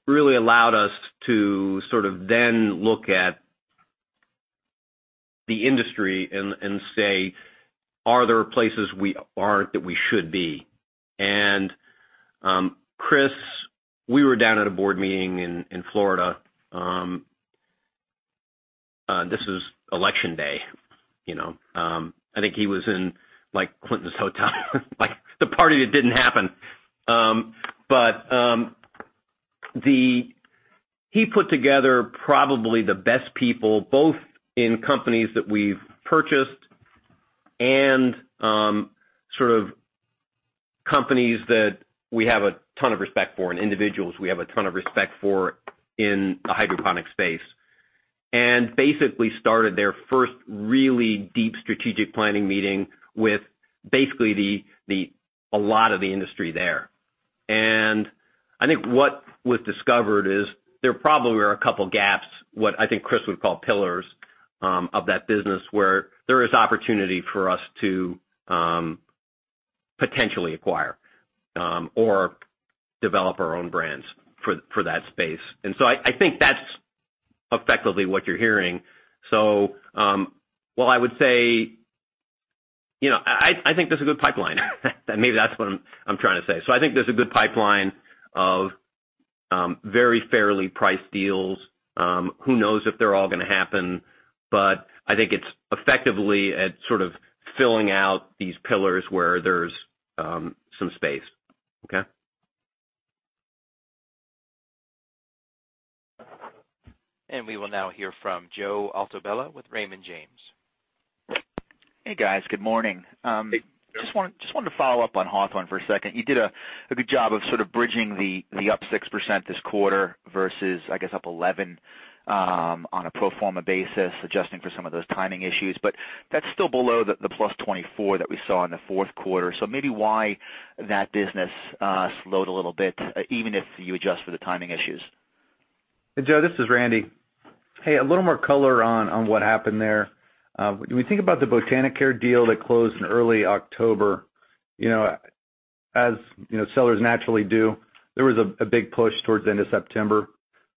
really allowed us to sort of then look at the industry and say, "Are there places we aren't that we should be?" Chris, we were down at a board meeting in Florida. This is election day. I think he was in Clinton's hotel, the party that didn't happen. He put together probably the best people, both in companies that we've purchased and sort of companies that we have a ton of respect for, and individuals we have a ton of respect for in the hydroponic space, and basically started their first really deep strategic planning meeting with basically a lot of the industry there. I think what was discovered is there probably were a couple gaps, what I think Chris would call pillars of that business, where there is opportunity for us to potentially acquire or develop our own brands for that space. I think that's effectively what you're hearing. While I would say I think there's a good pipeline. Maybe that's what I'm trying to say. I think there's a good pipeline of very fairly priced deals. Who knows if they're all going to happen, I think it's effectively at sort of filling out these pillars where there's some space. Okay? We will now hear from Joe Altobello with Raymond James. Hey, guys. Good morning. Hey, Joe. Just wanted to follow up on Hawthorne for a second. You did a good job of sort of bridging the up 6% this quarter versus, I guess, up 11% on a pro forma basis, adjusting for some of those timing issues. That's still below the plus 24% that we saw in the fourth quarter. Maybe why that business slowed a little bit, even if you adjust for the timing issues. Hey, Joe, this is Randy. Hey, a little more color on what happened there. When we think about the Botanicare deal that closed in early October, as sellers naturally do, there was a big push towards the end of September.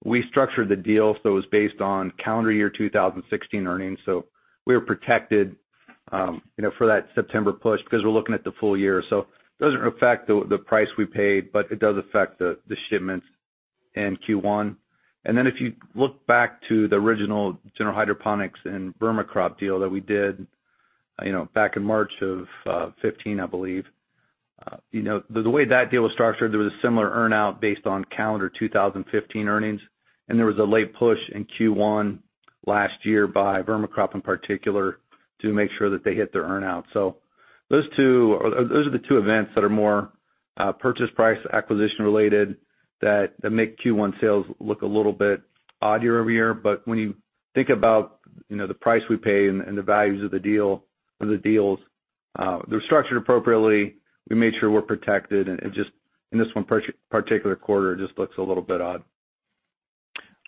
We structured the deal so it was based on calendar year 2016 earnings. We were protected for that September push because we're looking at the full year. It doesn't affect the price we paid, but it does affect the shipments in Q1. If you look back to the original General Hydroponics and Vermicrop deal that we did back in March of 2015, I believe. The way that deal was structured, there was a similar earn-out based on calendar 2015 earnings, and there was a late push in Q1 last year by Vermicrop, in particular, to make sure that they hit their earn-out. Those are the two events that are more purchase price acquisition related that make Q1 sales look a little bit odder year-over-year. When you think about the price we pay and the values of the deals, they're structured appropriately. We made sure we're protected. In this one particular quarter, it just looks a little bit odd.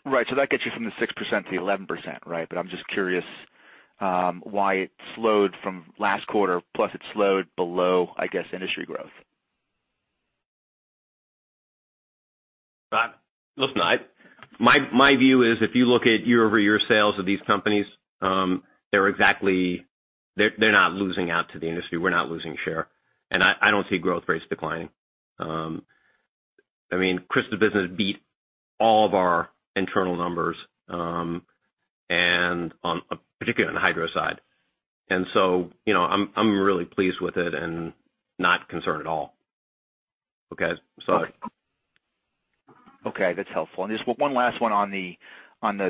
Right. That gets you from the 6% to the 11%, right? I'm just curious why it slowed from last quarter. It slowed below, I guess, industry growth. Listen, my view is if you look at year-over-year sales of these companies, they're not losing out to the industry. We're not losing share. I don't see growth rates declining. I mean, Hawthorne business beat all of our internal numbers, particularly on the hydro side. So I'm really pleased with it and not concerned at all. Okay. Sorry. Okay, that's helpful. Just one last one on the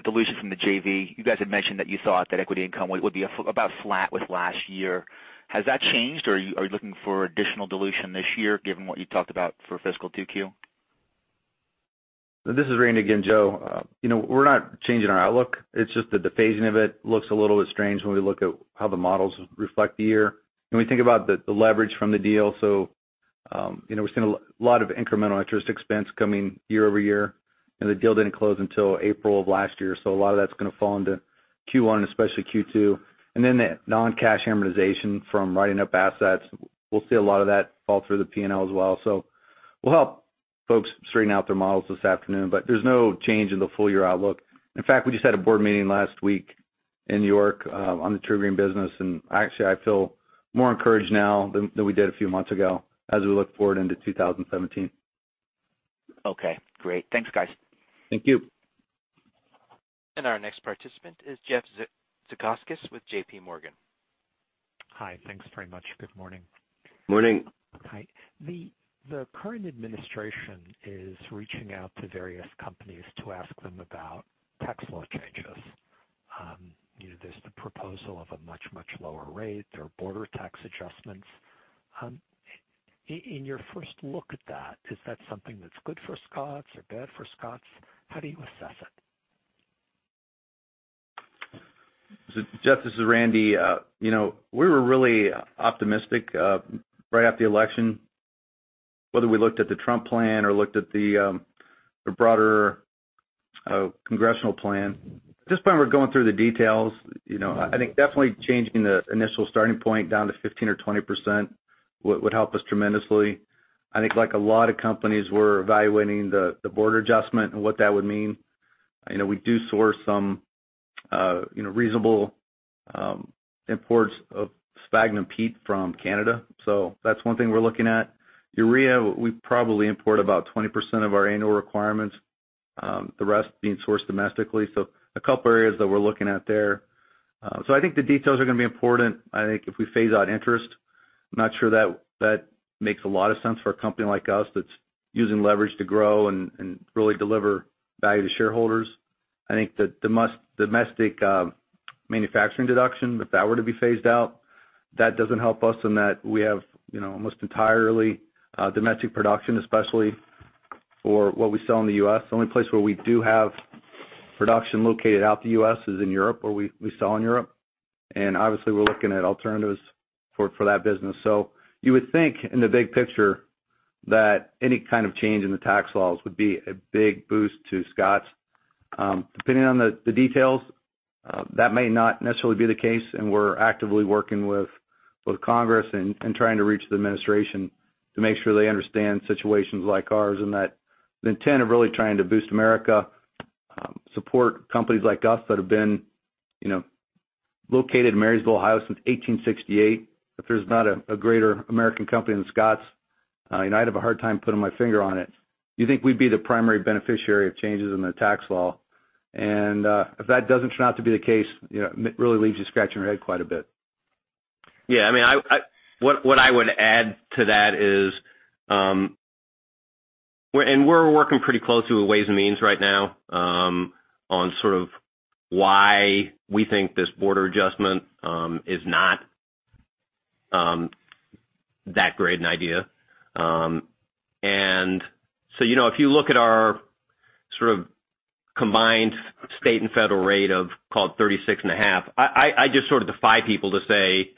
dilution from the JV. You guys had mentioned that you thought that equity income would be about flat with last year. Has that changed, or are you looking for additional dilution this year, given what you talked about for fiscal 2Q? This is Randy again, Joe. We're not changing our outlook. It's just the dephasing of it looks a little bit strange when we look at how the models reflect the year. When we think about the leverage from the deal, we're seeing a lot of incremental interest expense coming year-over-year. The deal didn't close until April of last year, so a lot of that's going to fall into Q1 and especially Q2. Then the non-cash amortization from writing up assets, we'll see a lot of that fall through the P&L as well. We'll help folks straighten out their models this afternoon, but there's no change in the full year outlook. In fact, we just had a board meeting last week in New York on the TruGreen business. Actually, I feel more encouraged now than we did a few months ago as we look forward into 2017. Okay, great. Thanks, guys. Thank you. Our next participant is Jeffrey Zekauskas with JP Morgan. Hi, thanks very much. Good morning. Morning. Hi. The current administration is reaching out to various companies to ask them about tax law changes. There's the proposal of a much, much lower rate. There are border tax adjustments. In your first look at that, is that something that's good for Scotts or bad for Scotts? How do you assess it? Jeff, this is Randy. We were really optimistic right after the election, whether we looked at the Trump plan or looked at the broader congressional plan. At this point, we're going through the details. I think definitely changing the initial starting point down to 15 or 20% would help us tremendously. I think like a lot of companies, we're evaluating the border adjustment and what that would mean. We do source some reasonable imports of Sphagnum peat from Canada. That's one thing we're looking at. Urea, we probably import about 20% of our annual requirements, the rest being sourced domestically. A couple areas that we're looking at there. I think the details are going to be important. I think if we phase out interest, I'm not sure that makes a lot of sense for a company like us that's using leverage to grow and really deliver value to shareholders. I think the domestic manufacturing deduction, if that were to be phased out, that doesn't help us in that we have almost entirely domestic production, especially for what we sell in the U.S. The only place where we do have production located out the U.S. is in Europe, where we sell in Europe. Obviously, we're looking at alternatives for that business. You would think in the big picture that any kind of change in the tax laws would be a big boost to Scotts. Depending on the details, that may not necessarily be the case. We're actively working with both Congress and trying to reach the administration to make sure they understand situations like ours and that the intent of really trying to boost America. Support companies like us that have been located in Marysville, Ohio, since 1868. If there's not a greater American company than Scotts, and I'd have a hard time putting my finger on it. You think we'd be the primary beneficiary of changes in the tax law. If that doesn't turn out to be the case, it really leaves you scratching your head quite a bit. Yeah. What I would add to that is, we're working pretty closely with Ways and Means right now on why we think this border adjustment is not that great an idea. If you look at our sort of combined state and federal rate of call it 36.5%, I just sort of defy people to say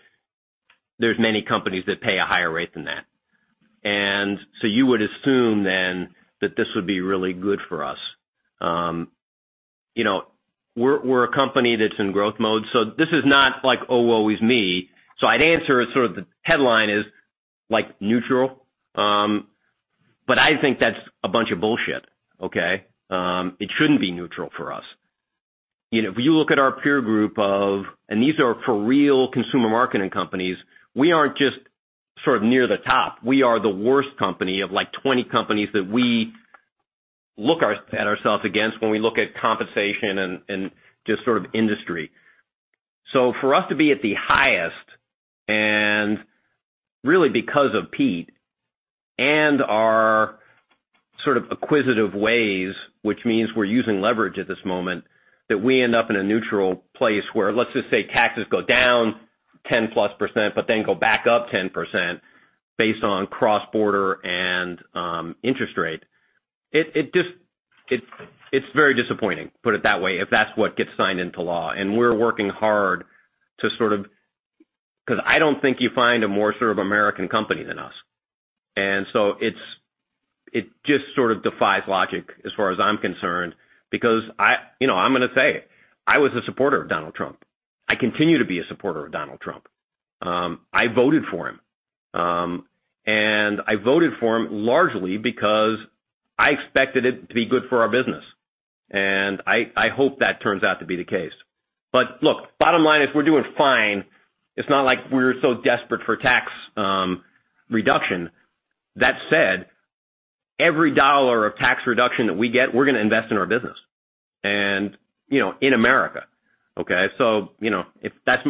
there's many companies that pay a higher rate than that. You would assume then that this would be really good for us. We're a company that's in growth mode, so this is not like, "Oh, woe is me." I'd answer it, sort of the headline is neutral. I think that's a bunch of bullshit, okay? It shouldn't be neutral for us. If you look at our peer group of, these are for real consumer marketing companies, we aren't just sort of near the top. We are the worst company of like 20 companies that we look at ourselves against when we look at compensation and just sort of industry. For us to be at the highest, and really because of peat and our sort of acquisitive ways, which means we're using leverage at this moment, that we end up in a neutral place where let's just say taxes go down 10-plus % but then go back up 10% based on cross-border and interest rate. It's very disappointing, put it that way, if that's what gets signed into law. Because I don't think you find a more sort of American company than us. It just sort of defies logic as far as I'm concerned because I'm going to say it, I was a supporter of Donald Trump. I continue to be a supporter of Donald Trump. I voted for him. I voted for him largely because I expected it to be good for our business. I hope that turns out to be the case. Look, bottom line is we're doing fine. It's not like we're so desperate for tax reduction. That said, every dollar of tax reduction that we get, we're going to invest in our business, and in America, okay?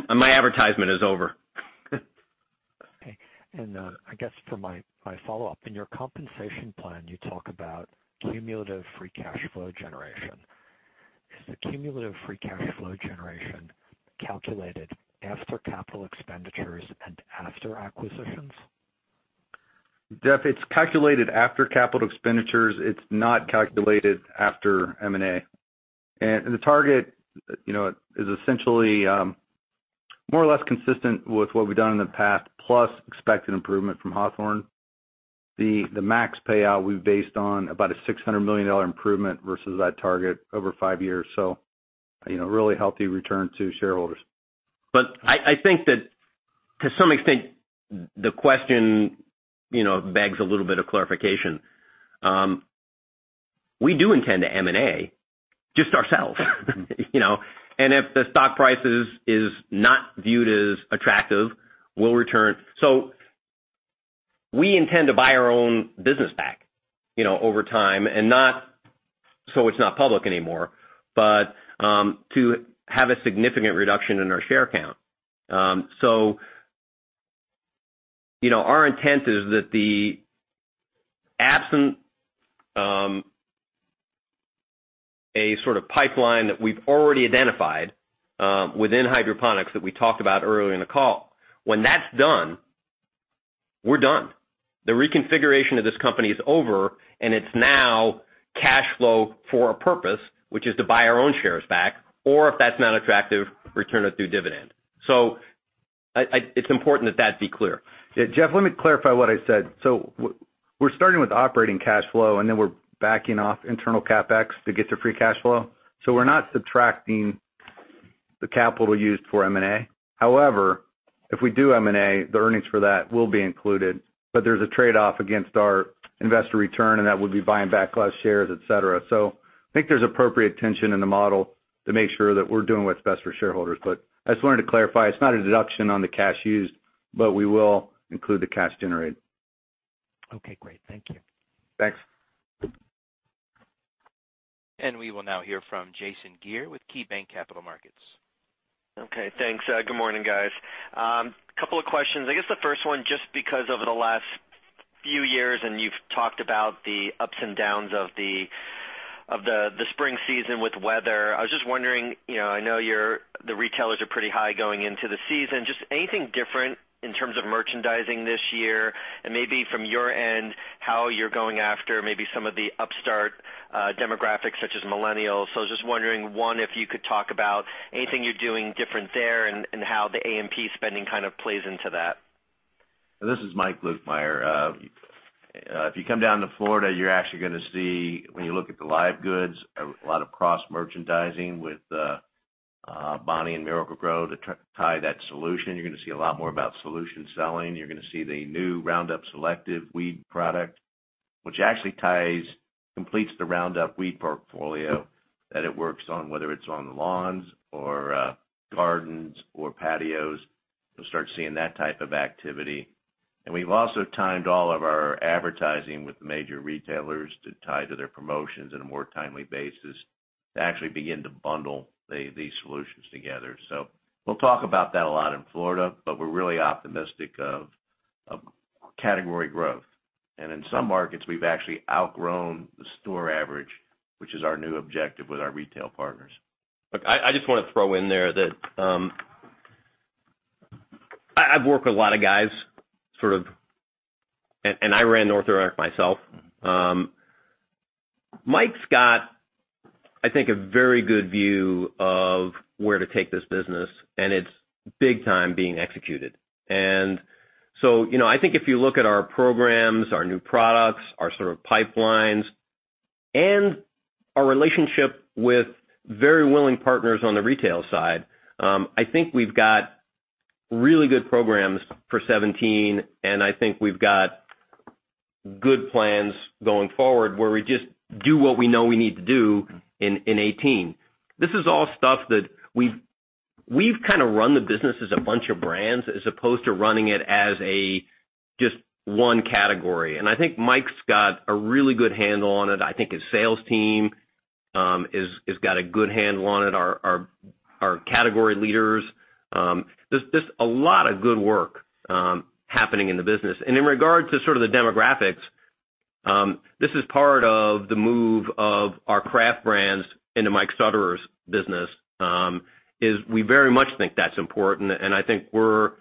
My advertisement is over. Okay. I guess for my follow-up, in your compensation plan, you talk about cumulative free cash flow generation. Is the cumulative free cash flow generation calculated after capital expenditures and after acquisitions? Jeff, it's calculated after capital expenditures. It's not calculated after M&A. The target is essentially more or less consistent with what we've done in the past, plus expected improvement from Hawthorne. The max payout we've based on about a $600 million improvement versus that target over five years. Really healthy return to shareholders. I think that to some extent, the question begs a little bit of clarification. We do intend to M&A, just ourselves, and if the stock price is not viewed as attractive, we'll return. We intend to buy our own business back over time, and not so it's not public anymore, but to have a significant reduction in our share count. Our intent is that the absent a sort of pipeline that we've already identified within hydroponics that we talked about earlier in the call. When that's done, we're done. The reconfiguration of this company is over, and it's now cash flow for a purpose, which is to buy our own shares back, or if that's not attractive, return it through dividend. It's important that that be clear. Yeah. Jeff, let me clarify what I said. We're starting with operating cash flow, and then we're backing off internal CapEx to get to free cash flow. We're not subtracting the capital used for M&A. However, if we do M&A, the earnings for that will be included, but there's a trade-off against our investor return, and that would be buying back less shares, et cetera. I think there's appropriate tension in the model to make sure that we're doing what's best for shareholders. I just wanted to clarify, it's not a deduction on the cash used, but we will include the cash generated. Okay, great. Thank you. Thanks. We will now hear from Jason Geer with KeyBanc Capital Markets. Okay. Thanks. Good morning, guys. Couple of questions. I guess the first one, just because over the last few years, you've talked about the ups and downs of the spring season with weather, I was just wondering, I know the retailers are pretty high going into the season. Just anything different in terms of merchandising this year? Maybe from your end, how you're going after maybe some of the upstart demographics such as millennials. I was just wondering, one, if you could talk about anything you're doing different there and how the A&P spending kind of plays into that. This is Mike Lukemire. If you come down to Florida, you're actually going to see, when you look at the live goods, a lot of cross-merchandising with. Bonnie Plants and Miracle-Gro to tie that solution. You're going to see a lot more about solution selling. You're going to see the new Roundup selective weed product, which actually completes the Roundup weed portfolio that it works on, whether it's on the lawns or gardens or patios. You'll start seeing that type of activity. We've also timed all of our advertising with the major retailers to tie to their promotions in a more timely basis to actually begin to bundle these solutions together. We'll talk about that a lot in Florida, but we're really optimistic of category growth. In some markets, we've actually outgrown the store average, which is our new objective with our retail partners. Look, I just want to throw in there that I've worked with a lot of guys, and I ran North America myself. Mike's got, I think, a very good view of where to take this business, and it's big time being executed. I think if you look at our programs, our new products, our sort of pipelines, and our relationship with very willing partners on the retail side, I think we've got really good programs for 2017, and I think we've got good plans going forward where we just do what we know we need to do in 2018. This is all stuff that we've kind of run the business as a bunch of brands as opposed to running it as just one category. I think Mike's got a really good handle on it. I think his sales team has got a good handle on it, our category leaders. There's a lot of good work happening in the business. In regard to sort of the demographics, this is part of the move of our craft brands into Mike Sutterer's business, is we very much think that's important, and I think we're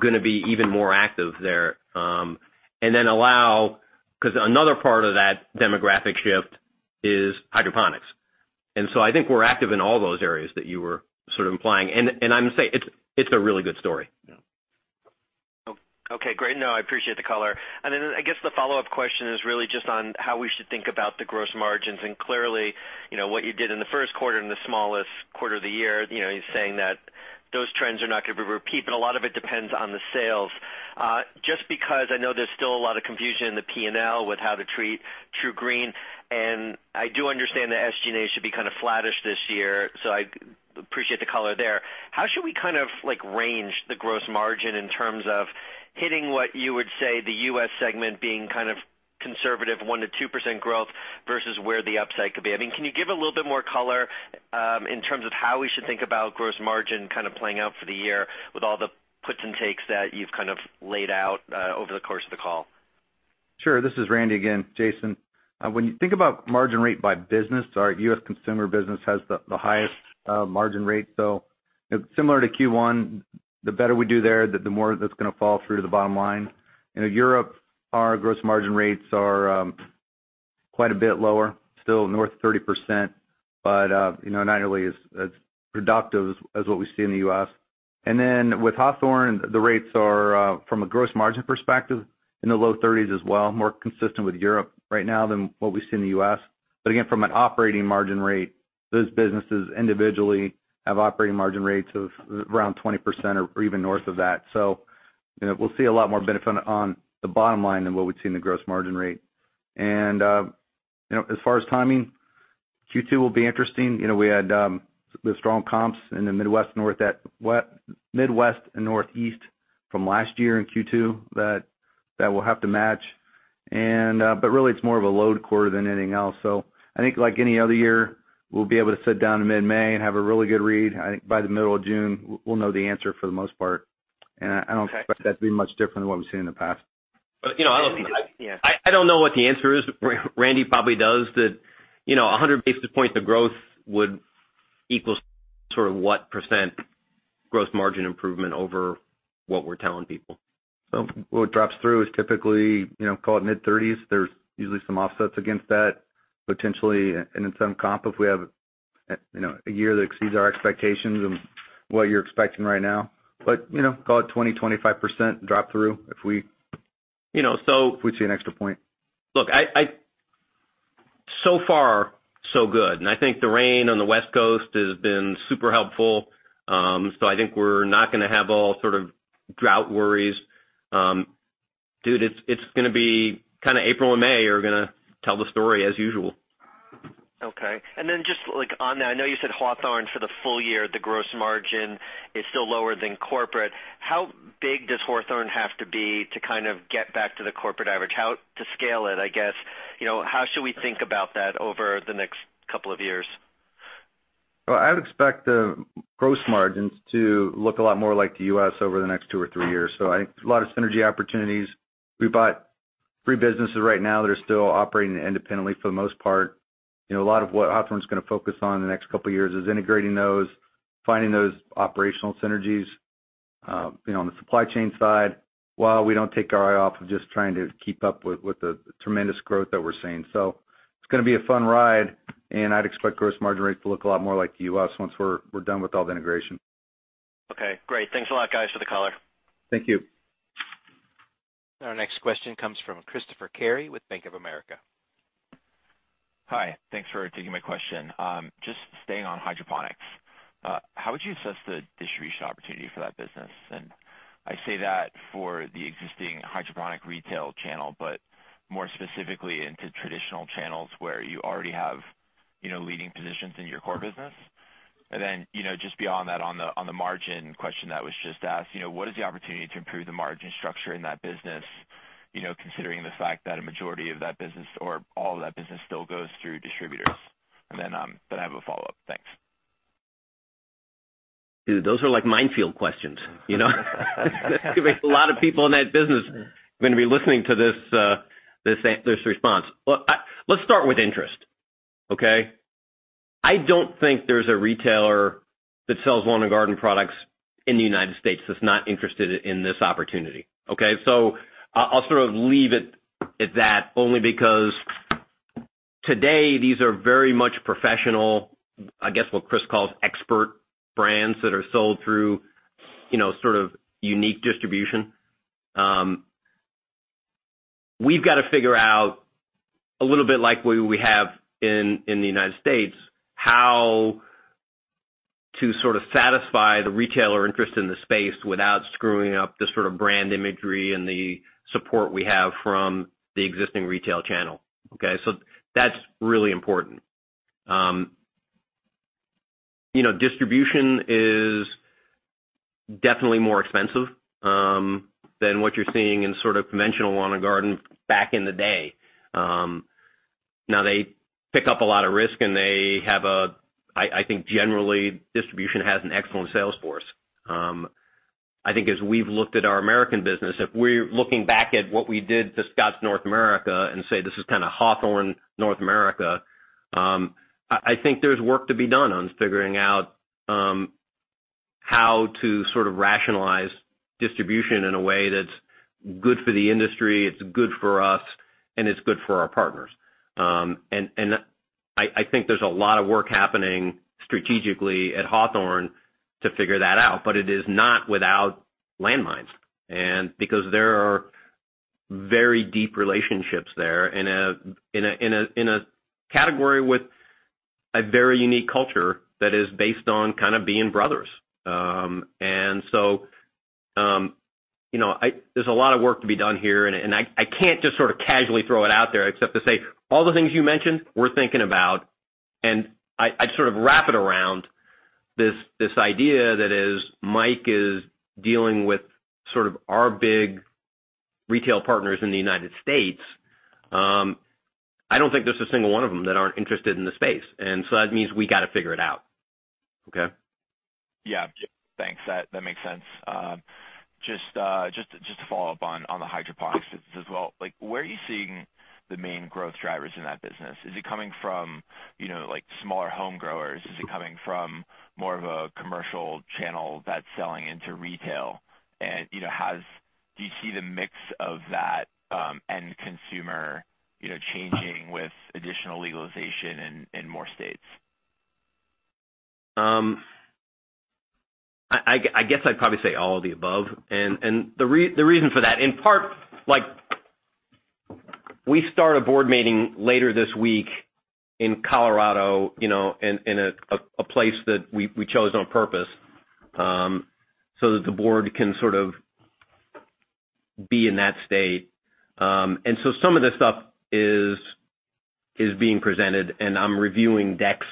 going to be even more active there. Because another part of that demographic shift is hydroponics. I think we're active in all those areas that you were sort of implying. I'm going to say, it's a really good story. Yeah. Okay, great. No, I appreciate the color. I guess the follow-up question is really just on how we should think about the gross margins. Clearly, what you did in the first quarter, in the smallest quarter of the year, you're saying that those trends are not going to repeat, but a lot of it depends on the sales. Just because I know there's still a lot of confusion in the P&L with how to treat TruGreen, and I do understand that SGA should be kind of flattish this year, I appreciate the color there. How should we kind of range the gross margin in terms of hitting what you would say the U.S. segment being kind of conservative 1%-2% growth versus where the upside could be? Can you give a little bit more color in terms of how we should think about gross margin kind of playing out for the year with all the puts and takes that you've kind of laid out over the course of the call? Sure. This is Randy again, Jason. When you think about margin rate by business, our U.S. consumer business has the highest margin rate. Similar to Q1, the better we do there, the more that's going to fall through to the bottom line. In Europe, our gross margin rates are quite a bit lower, still north of 30%, but not nearly as productive as what we see in the U.S. Then with Hawthorne, the rates are, from a gross margin perspective, in the low 30s as well, more consistent with Europe right now than what we see in the U.S. Again, from an operating margin rate, those businesses individually have operating margin rates of around 20% or even north of that. We'll see a lot more benefit on the bottom line than what we've seen in the gross margin rate. As far as timing, Q2 will be interesting. We had the strong comps in the Midwest and Northeast from last year in Q2 that will have to match. Really, it's more of a load quarter than anything else. I think like any other year, we'll be able to sit down in mid-May and have a really good read. I think by the middle of June, we'll know the answer for the most part. I don't expect that to be much different than what we've seen in the past. I don't know what the answer is. Randy probably does. That 100 basis points of growth would equal sort of what % gross margin improvement over what we're telling people. What drops through is typically, call it mid-30s. There is usually some offsets against that, potentially, and in some comp, if we have a year that exceeds our expectations of what you are expecting right now. Call it 20%-25% drop through. So- If we see an extra point. Look, so far, so good. I think the rain on the West Coast has been super helpful. I think we are not going to have all sort of drought worries. Dude, it is going to be kind of April and May are going to tell the story as usual. Okay. Just on that, I know you said Hawthorne for the full year, the gross margin is still lower than corporate. How big does Hawthorne have to be to kind of get back to the corporate average? How to scale it, I guess. How should we think about that over the next couple of years? Well, I would expect the gross margins to look a lot more like the U.S. over the next two or three years. I think a lot of synergy opportunities. We bought three businesses right now that are still operating independently for the most part. A lot of what Hawthorne's going to focus on in the next couple of years is integrating those, finding those operational synergies on the supply chain side, while we don't take our eye off of just trying to keep up with the tremendous growth that we're seeing. It's going to be a fun ride, and I'd expect gross margin rates to look a lot more like the U.S. once we're done with all the integration. Okay, great. Thanks a lot, guys, for the color. Thank you. Our next question comes from Christopher Carey with Bank of America. Hi. Thanks for taking my question. Just staying on hydroponics, how would you assess the distribution opportunity for that business? I say that for the existing hydroponic retail channel, but more specifically into traditional channels where you already have leading positions in your core business. Just beyond that, on the margin question that was just asked, what is the opportunity to improve the margin structure in that business, considering the fact that a majority of that business or all of that business still goes through distributors? I have a follow-up. Thanks. Dude, those are like minefield questions. A lot of people in that business are going to be listening to this response. Let's start with interest. Okay? I don't think there's a retailer that sells lawn and garden products in the U.S. that's not interested in this opportunity, okay? I'll sort of leave it at that, only because today, these are very much professional, I guess, what Chris calls expert brands that are sold through sort of unique distribution. We've got to figure out, a little bit like we have in the U.S., how to sort of satisfy the retailer interest in the space without screwing up the sort of brand imagery and the support we have from the existing retail channel. Okay? That's really important. Distribution is definitely more expensive than what you're seeing in sort of conventional lawn and garden back in the day. They pick up a lot of risk. I think generally, distribution has an excellent sales force. I think as we've looked at our American business, if we're looking back at what we did to Scotts North America and say this is kind of Hawthorne North America, I think there's work to be done on figuring out how to sort of rationalize distribution in a way that's good for the industry, it's good for us, and it's good for our partners. I think there's a lot of work happening strategically at Hawthorne to figure that out, but it is not without landmines. Because there are very deep relationships there in a category with a very unique culture that is based on kind of being brothers. There's a lot of work to be done here, and I can't just sort of casually throw it out there except to say all the things you mentioned, we're thinking about. I'd sort of wrap it around this idea that is Mike is dealing with sort of our big retail partners in the U.S. I don't think there's a single one of them that aren't interested in the space, that means we got to figure it out. Okay? Yeah. Thanks. That makes sense. Just to follow up on the hydroponics as well, where are you seeing the main growth drivers in that business? Is it coming from smaller home growers? Is it coming from more of a commercial channel that's selling into retail? Do you see the mix of that end consumer changing with additional legalization in more states? I guess I'd probably say all of the above. The reason for that, in part, we start a board meeting later this week in Colorado, in a place that we chose on purpose, so that the board can sort of be in that state. Some of this stuff is being presented, and I'm reviewing decks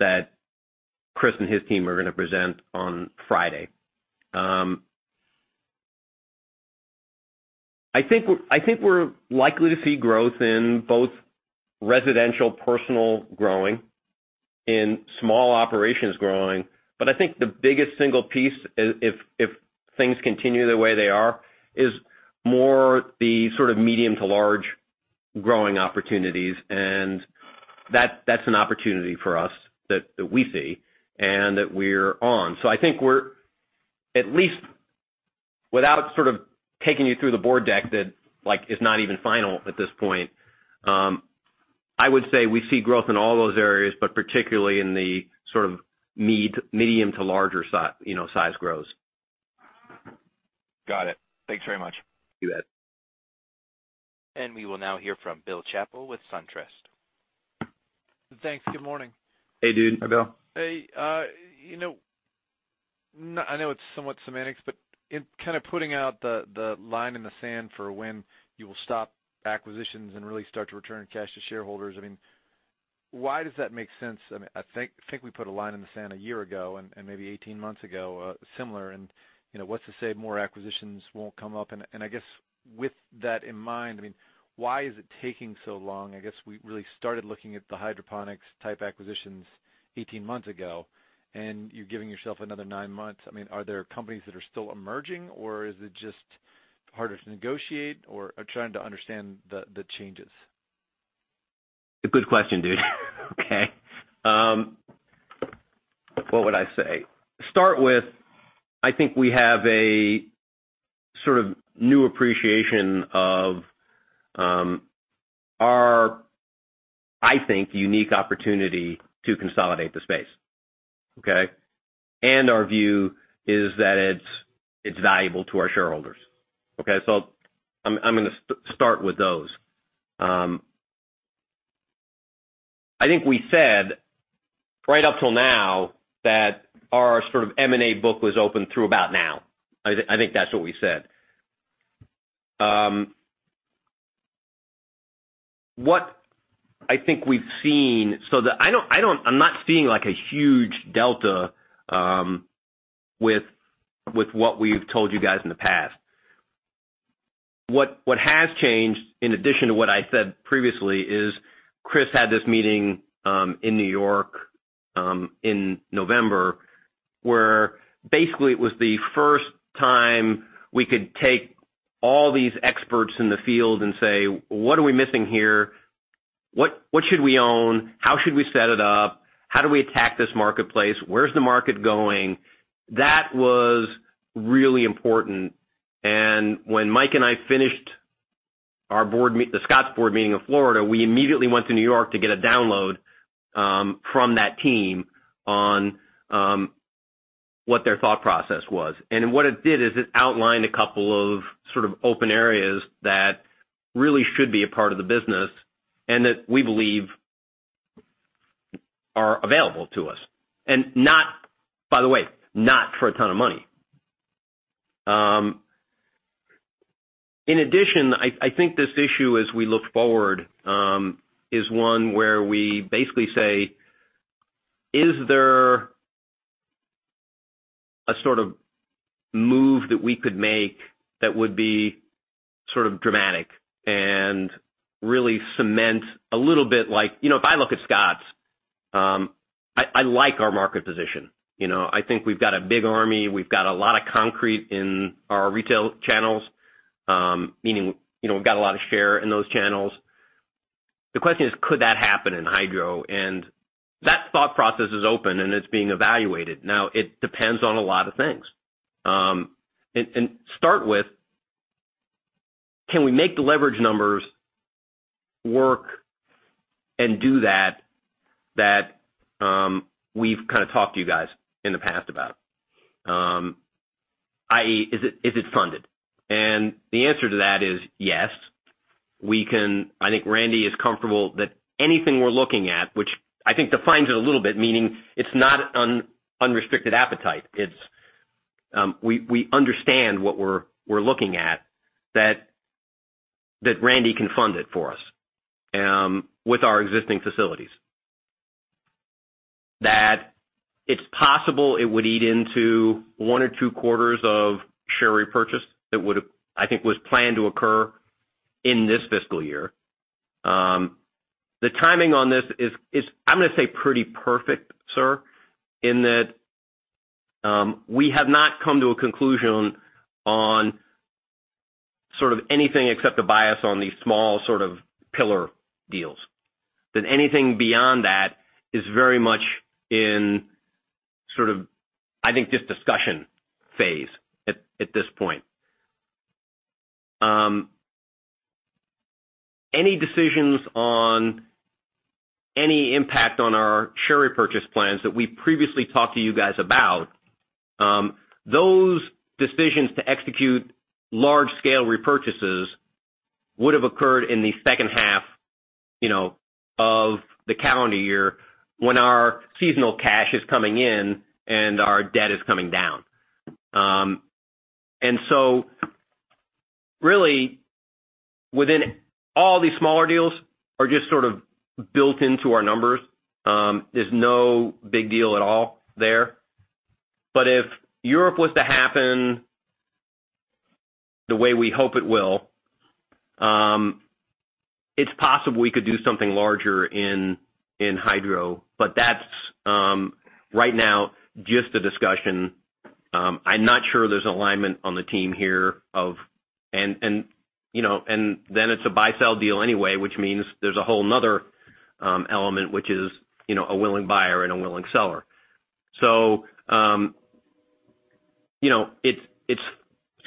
that Chris and his team are going to present on Friday. I think we're likely to see growth in both residential personal growing, in small operations growing. I think the biggest single piece, if things continue the way they are, is more the sort of medium to large growing opportunities. That's an opportunity for us that we see and that we're on. I think we're at least, without sort of taking you through the board deck that is not even final at this point, I would say we see growth in all those areas, particularly in the sort of medium to larger size grows. Got it. Thanks very much. You bet. We will now hear from Bill Chappell with SunTrust. Thanks. Good morning. Hey, dude. Hi, Bill. Hey. I know it's somewhat semantics, but in kind of putting out the line in the sand for when you will stop acquisitions and really start to return cash to shareholders, I mean, why does that make sense? I think we put a line in the sand a year ago and maybe 18 months ago, similar. What's to say more acquisitions won't come up? I guess with that in mind, I mean, why is it taking so long? I guess we really started looking at the hydroponics type acquisitions 18 months ago, and you're giving yourself another nine months. I mean, are there companies that are still emerging, or is it just harder to negotiate, or are trying to understand the changes? A good question, dude. Okay. What would I say? Start with, I think we have a sort of new appreciation of our I think, unique opportunity to consolidate the space. Okay? Our view is that it's valuable to our shareholders. Okay? I'm going to start with those. I think we said right up till now that our sort of M&A book was open through about now. I think that's what we said. What I think we've seen, I'm not seeing like a huge delta with what we've told you guys in the past. What has changed, in addition to what I said previously, is Chris had this meeting in New York in November, where basically it was the first time we could take all these experts in the field and say, "What are we missing here? What should we own? How should we set it up? How do we attack this marketplace? Where's the market going?" That was really important. When Mike and I finished the Scotts board meeting in Florida, we immediately went to New York to get a download from that team on what their thought process was. What it did is it outlined a couple of sort of open areas that really should be a part of the business and that we believe are available to us. By the way, not for a ton of money. In addition, I think this issue, as we look forward, is one where we basically say, "Is there a sort of move that we could make that would be sort of dramatic and really cement a little bit? If I look at Scotts, I like our market position. I think we've got a big army. We've got a lot of concrete in our retail channels, meaning, we've got a lot of share in those channels. The question is, could that happen in hydro? That thought process is open, and it's being evaluated. Now, it depends on a lot of things. Start with, can we make the leverage numbers work and do that we've kind of talked to you guys in the past about? Is it funded? The answer to that is yes. I think Randy is comfortable that anything we're looking at, which I think defines it a little bit, meaning it's not unrestricted appetite. We understand what we're looking at, that Randy can fund it for us with our existing facilities. That it's possible it would eat into one or two quarters of share repurchase that I think was planned to occur in this fiscal year. The timing on this is, I'm going to say pretty perfect, sir, in that we have not come to a conclusion on sort of anything except a bias on these small sort of pillar deals. Anything beyond that is very much in sort of, I think, just discussion phase at this point. Any decisions on any impact on our share repurchase plans that we previously talked to you guys about, those decisions to execute large-scale repurchases would have occurred in the second half of the calendar year when our seasonal cash is coming in and our debt is coming down. Really, within all these smaller deals are just sort of built into our numbers. There's no big deal at all there. If Europe was to happen the way we hope it will, it's possible we could do something larger in hydro. That's, right now, just a discussion. I'm not sure there's alignment on the team here. It's a buy-sell deal anyway, which means there's a whole another element, which is a willing buyer and a willing seller.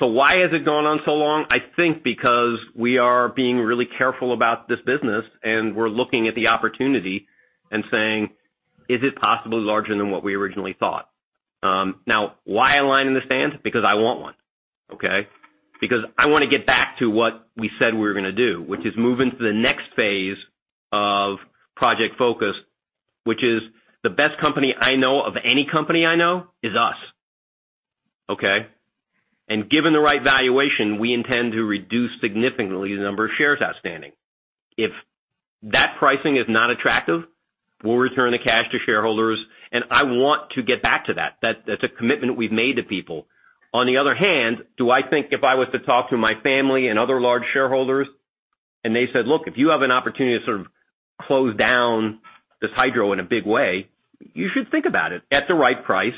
Why has it gone on so long? I think because we are being really careful about this business, and we're looking at the opportunity and saying, "Is it possibly larger than what we originally thought?" Why a line in the sand? Because I want one. Okay? Because I want to get back to what we said we were going to do, which is move into the next phase of Project Focus, which is the best company I know of any company I know is us. Okay? Given the right valuation, we intend to reduce significantly the number of shares outstanding. If that pricing is not attractive, we'll return the cash to shareholders. I want to get back to that. That's a commitment we've made to people. On the other hand, do I think if I was to talk to my family and other large shareholders and they said, "Look, if you have an opportunity to sort of close down this hydro in a big way, you should think about it at the right price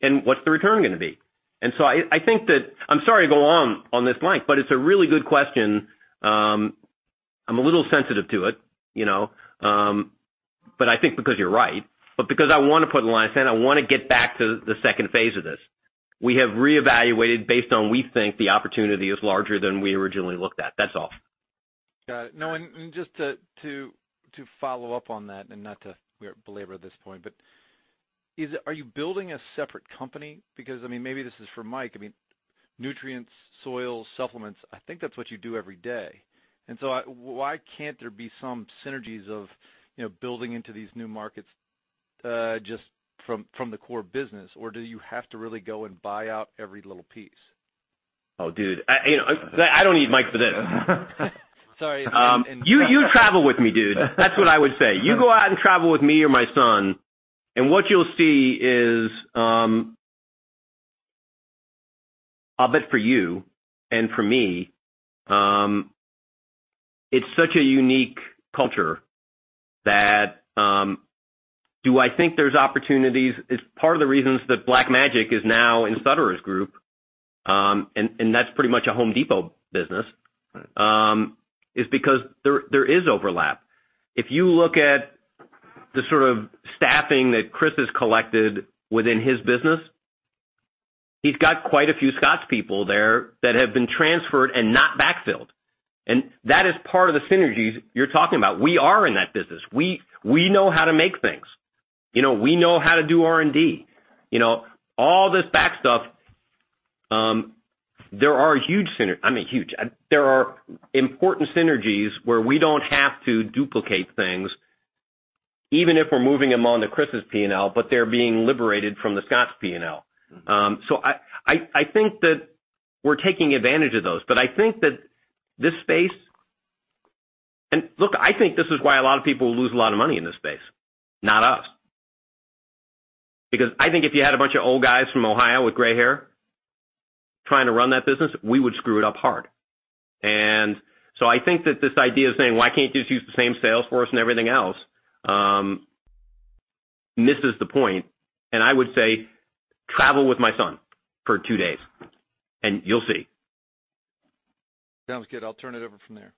and what's the return going to be?" I think I'm sorry to go on this, Mike, it's a really good question. I'm a little sensitive to it. I think because you're right, because I want to put lines in. I want to get back to the second phase of this. We have reevaluated based on we think the opportunity is larger than we originally looked at. That's all. Got it. Just to follow up on that and not to belabor this point, are you building a separate company? Maybe this is for Mike. Nutrients, soil, supplements, I think that's what you do every day. Why can't there be some synergies of building into these new markets just from the core business? Do you have to really go and buy out every little piece? Oh, dude. I don't need Mike for this. Sorry. You travel with me, dude. That's what I would say. You go out and travel with me or my son, what you'll see is, I'll bet for you and for me, it's such a unique culture that do I think there's opportunities? It's part of the reasons that Black Magic is now in Sutterer's Group, that's pretty much a Home Depot business- Right is because there is overlap. If you look at the sort of staffing that Chris has collected within his business, he's got quite a few Scotts people there that have been transferred and not backfilled. That is part of the synergies you're talking about. We are in that business. We know how to make things. We know how to do R&D. All this back stuff, there are huge synergies. I mean, huge. There are important synergies where we don't have to duplicate things, even if we're moving them onto Chris's P&L, but they're being liberated from the Scotts P&L. I think that we're taking advantage of those. I think that this space and look, I think this is why a lot of people lose a lot of money in this space, not us. I think if you had a bunch of old guys from Ohio with gray hair trying to run that business, we would screw it up hard. I think that this idea of saying, why can't you just use the same sales force and everything else, misses the point. I would say, travel with my son for two days, and you'll see. Sounds good. I'll turn it over from there.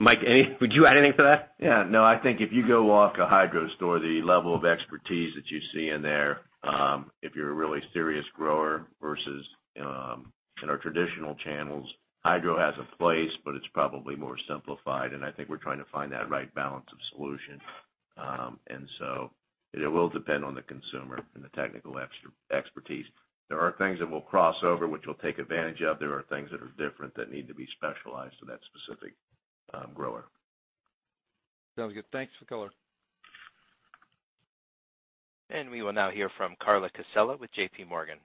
Mike, would you add anything to that? Yeah. No, I think if you go walk a hydro store, the level of expertise that you see in there, if you're a really serious grower versus in our traditional channels, hydro has a place, but it's probably more simplified, and I think we're trying to find that right balance of solution. It will depend on the consumer and the technical expertise. There are things that will cross over, which we'll take advantage of. There are things that are different that need to be specialized to that specific grower. Sounds good. Thanks for the color. We will now hear from Carla Casella with JP Morgan.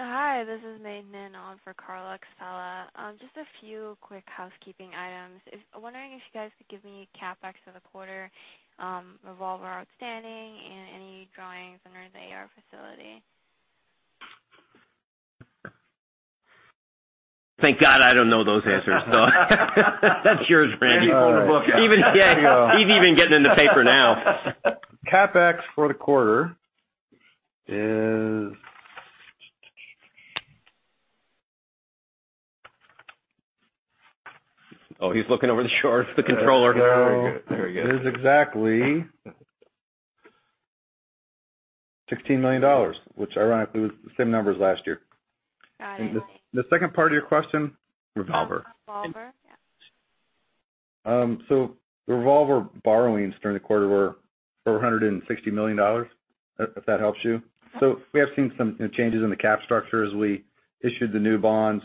Hi, this is Mei Min on for Carla Casella. Just a few quick housekeeping items. I was wondering if you guys could give me CapEx for the quarter, Revolver outstanding, and any drawings under the AR facility. Thank God I don't know those answers. That's yours, Randy. Anything in the book. There you go. He's even getting in the paper now. CapEx for the quarter is Oh, he's looking over the chart for the controller. There we go. There we go. It is exactly $16 million, which ironically was the same numbers last year. Got it. The second part of your question? Revolver. Revolver? Yeah. The Revolver borrowings during the quarter were over $160 million, if that helps you. We have seen some changes in the cap structure as we issued the new bonds.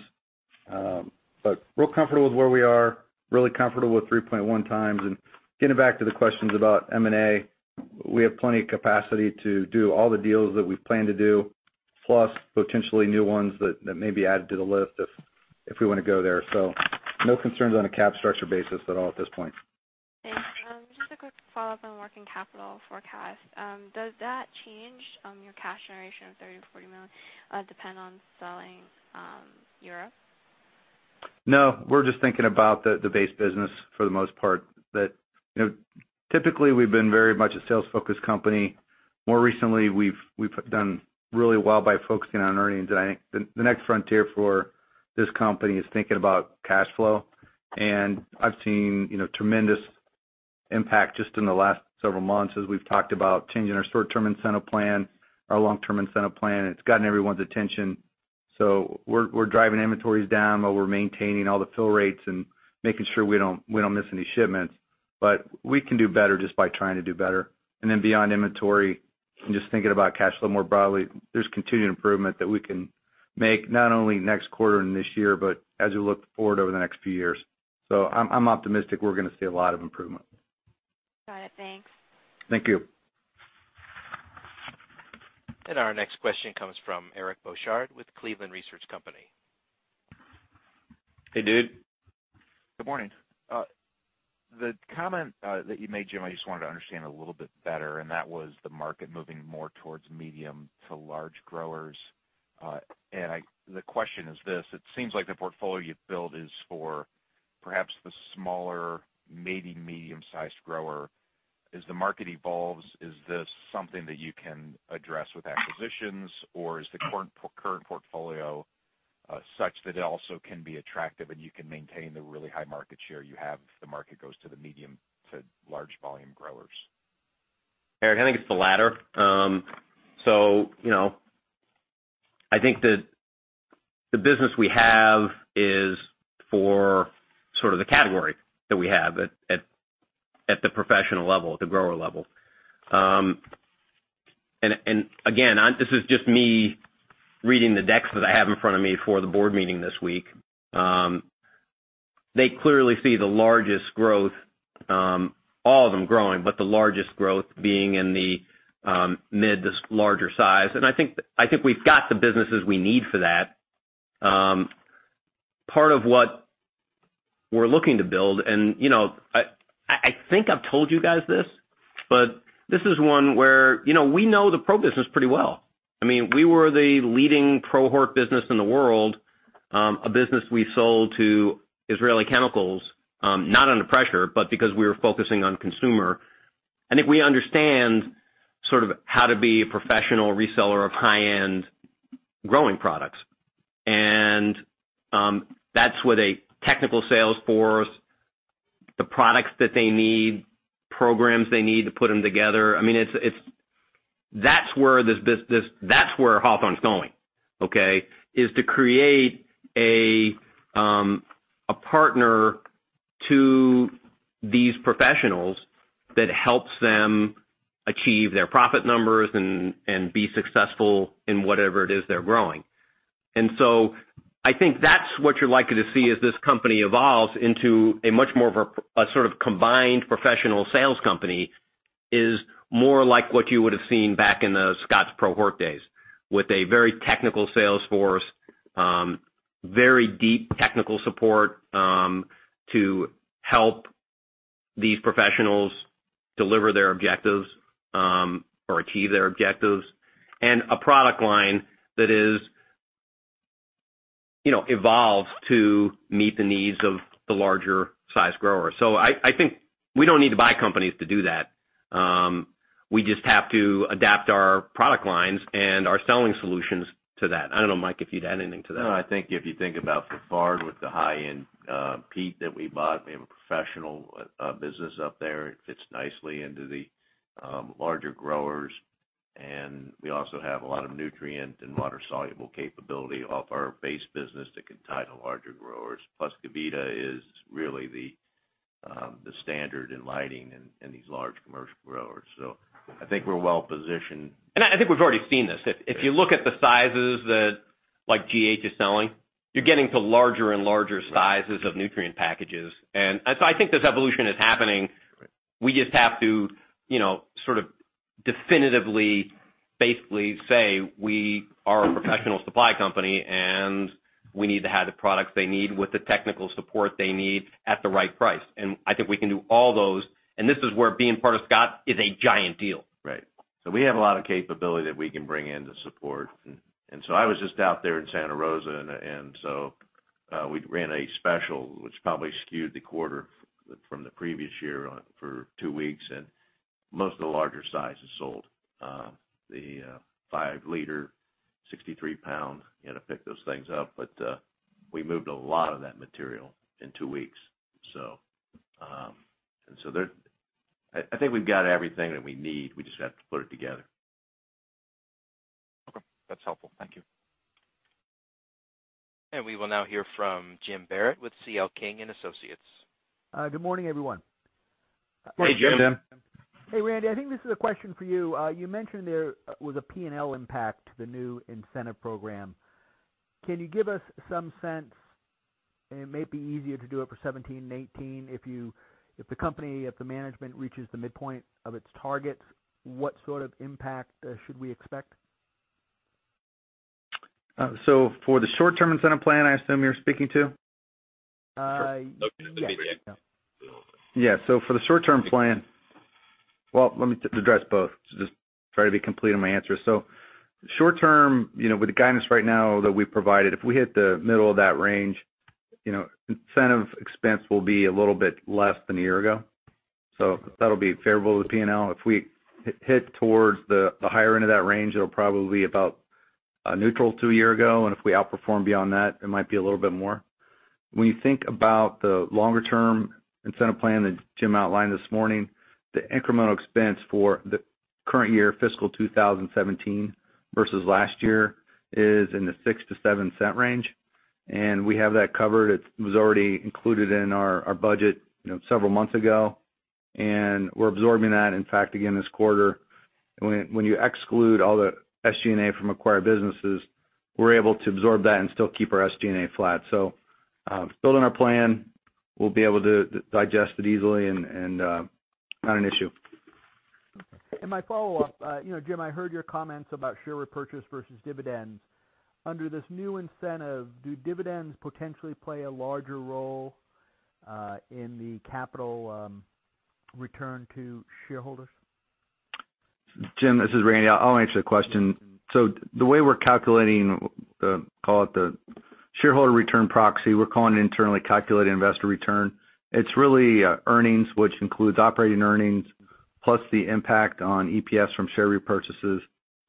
But real comfortable with where we are, really comfortable with 3.1 times. Getting back to the questions about M&A, we have plenty of capacity to do all the deals that we plan to do, plus potentially new ones that may be added to the list if we want to go there. No concerns on a cap structure basis at all at this point. Thanks. Just a quick follow-up on working capital forecast. Does that change your cash generation of $30 million-$40 million depend on selling Europe? No, we're just thinking about the base business for the most part. That typically, we've been very much a sales-focused company. More recently, we've done really well by focusing on earnings. I think the next frontier for this company is thinking about cash flow. I've seen tremendous impact just in the last several months as we've talked about changing our short-term incentive plan, our long-term incentive plan. It's gotten everyone's attention. We're driving inventories down, but we're maintaining all the fill rates and making sure we don't miss any shipments. We can do better just by trying to do better. Beyond inventory and just thinking about cash flow more broadly, there's continued improvement that we can make, not only next quarter and this year, but as we look forward over the next few years. I'm optimistic we're going to see a lot of improvement. Got it. Thanks. Thank you. Our next question comes from Eric Bosshard with Cleveland Research Company. Hey, dude. Good morning. The comment that you made, Jim, I just wanted to understand a little bit better, and that was the market moving more towards medium to large growers. The question is this: It seems like the portfolio you've built is for perhaps the smaller, maybe medium-sized grower. As the market evolves, is this something that you can address with acquisitions, or is the current portfolio such that it also can be attractive and you can maintain the really high market share you have if the market goes to the medium to large volume growers? Eric, I think it's the latter. I think that the business we have is for sort of the category that we have at the professional level, at the grower level. Again, this is just me reading the decks that I have in front of me for the board meeting this week. They clearly see the largest growth, all of them growing, but the largest growth being in the mid to larger size. I think we've got the businesses we need for that. Part of what we're looking to build, and I think I've told you guys this, but this is one where we know the pro business pretty well. We were the leading pro-hort business in the world, a business we sold to Israel Chemicals, not under pressure, but because we were focusing on consumer. I think we understand sort of how to be a professional reseller of high-end growing products. That's with a technical sales force, the products that they need, programs they need to put them together. That's where this business, that's where Hawthorne's going, okay? Is to create a partner to these professionals that helps them achieve their profit numbers and be successful in whatever it is they're growing. I think that's what you're likely to see as this company evolves into a much more of a sort of combined professional sales company, is more like what you would've seen back in the Scotts pro-hort days with a very technical sales force, very deep technical support to help these professionals deliver their objectives or achieve their objectives, and a product line that is evolved to meet the needs of the larger size growers. I think we don't need to buy companies to do that. We just have to adapt our product lines and our selling solutions to that. I don't know, Mike, if you'd add anything to that. I think if you think about Fafard with the high-end peat that we bought, we have a professional business up there. It fits nicely into the larger growers, and we also have a lot of nutrient and water-soluble capability off our base business that can tie to larger growers. Plus, Gavita is really the standard in lighting in these large commercial growers. I think we're well-positioned. I think we've already seen this. If you look at the sizes that like GH is selling, you're getting to larger and larger sizes of nutrient packages. I think this evolution is happening. We just have to sort of definitively basically say, we are a professional supply company, and we need to have the products they need with the technical support they need at the right price. I think we can do all those, and this is where being part of Scotts is a giant deal. Right. We have a lot of capability that we can bring in to support. I was just out there in Santa Rosa. We ran a special which probably skewed the quarter from the previous year for two weeks, and most of the larger sizes sold. The five liter, 63 pound, you had to pick those things up. We moved a lot of that material in two weeks. I think we've got everything that we need, we just have to put it together. Okay. That's helpful. Thank you. We will now hear from Jim Barrett with C.L. King & Associates. Good morning, everyone. Hey, Jim. Hey, Jim. Hey, Randy. I think this is a question for you. You mentioned there was a P&L impact to the new incentive program. Can you give us some sense, and it may be easier to do it for 2017 and 2018, if the company, if the management reaches the midpoint of its targets, what sort of impact should we expect? For the short-term incentive plan, I assume you're speaking to? yes. The P&L. Well, let me address both. Just try to be complete in my answers. Short-term, with the guidance right now that we've provided, if we hit the middle of that range, incentive expense will be a little bit less than a year ago. That'll be favorable to P&L. If we hit towards the higher end of that range, it'll probably be about neutral to a year ago, and if we outperform beyond that, it might be a little bit more. When you think about the longer-term incentive plan that Jim outlined this morning, the incremental expense for the current year fiscal 2017 versus last year is in the $0.06-$0.07 range, and we have that covered. It was already included in our budget several months ago, and we're absorbing that. In fact, again, this quarter, when you exclude all the SG&A from acquired businesses, we're able to absorb that and still keep our SG&A flat. Building our plan, we'll be able to digest it easily and not an issue. Okay. My follow-up. Jim, I heard your comments about share repurchase versus dividends. Under this new incentive, do dividends potentially play a larger role in the capital return to shareholders? Jim, this is Randy. I'll answer the question. The way we're calculating the, call it the shareholder return proxy, we're calling it internally calculated investor return. It's really earnings, which includes operating earnings, plus the impact on EPS from share repurchases,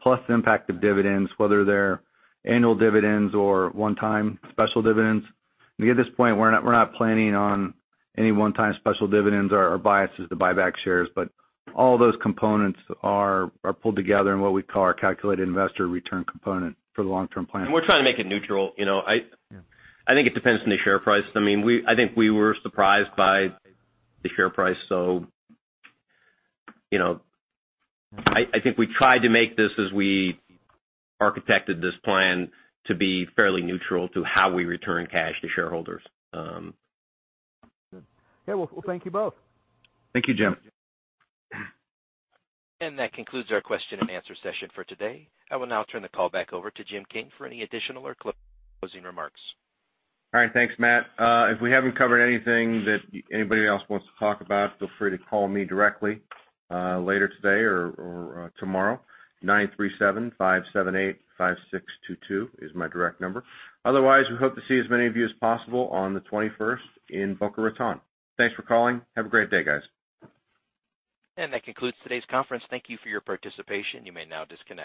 plus the impact of dividends, whether they're annual dividends or one-time special dividends. At this point, we're not planning on any one-time special dividends. Our bias is to buy back shares, all those components are pulled together in what we call our calculated investor return component for the long-term plan. We're trying to make it neutral. I think it depends on the share price. I think we were surprised by the share price, I think we tried to make this as we architected this plan to be fairly neutral to how we return cash to shareholders. Yeah. Well, thank you both. Thank you, Jim. That concludes our question and answer session for today. I will now turn the call back over to Jim King for any additional or closing remarks. All right. Thanks, Matt. If we haven't covered anything that anybody else wants to talk about, feel free to call me directly later today or tomorrow. 937-578-5622 is my direct number. Otherwise, we hope to see as many of you as possible on the 21st in Boca Raton. Thanks for calling. Have a great day, guys. That concludes today's conference. Thank you for your participation. You may now disconnect.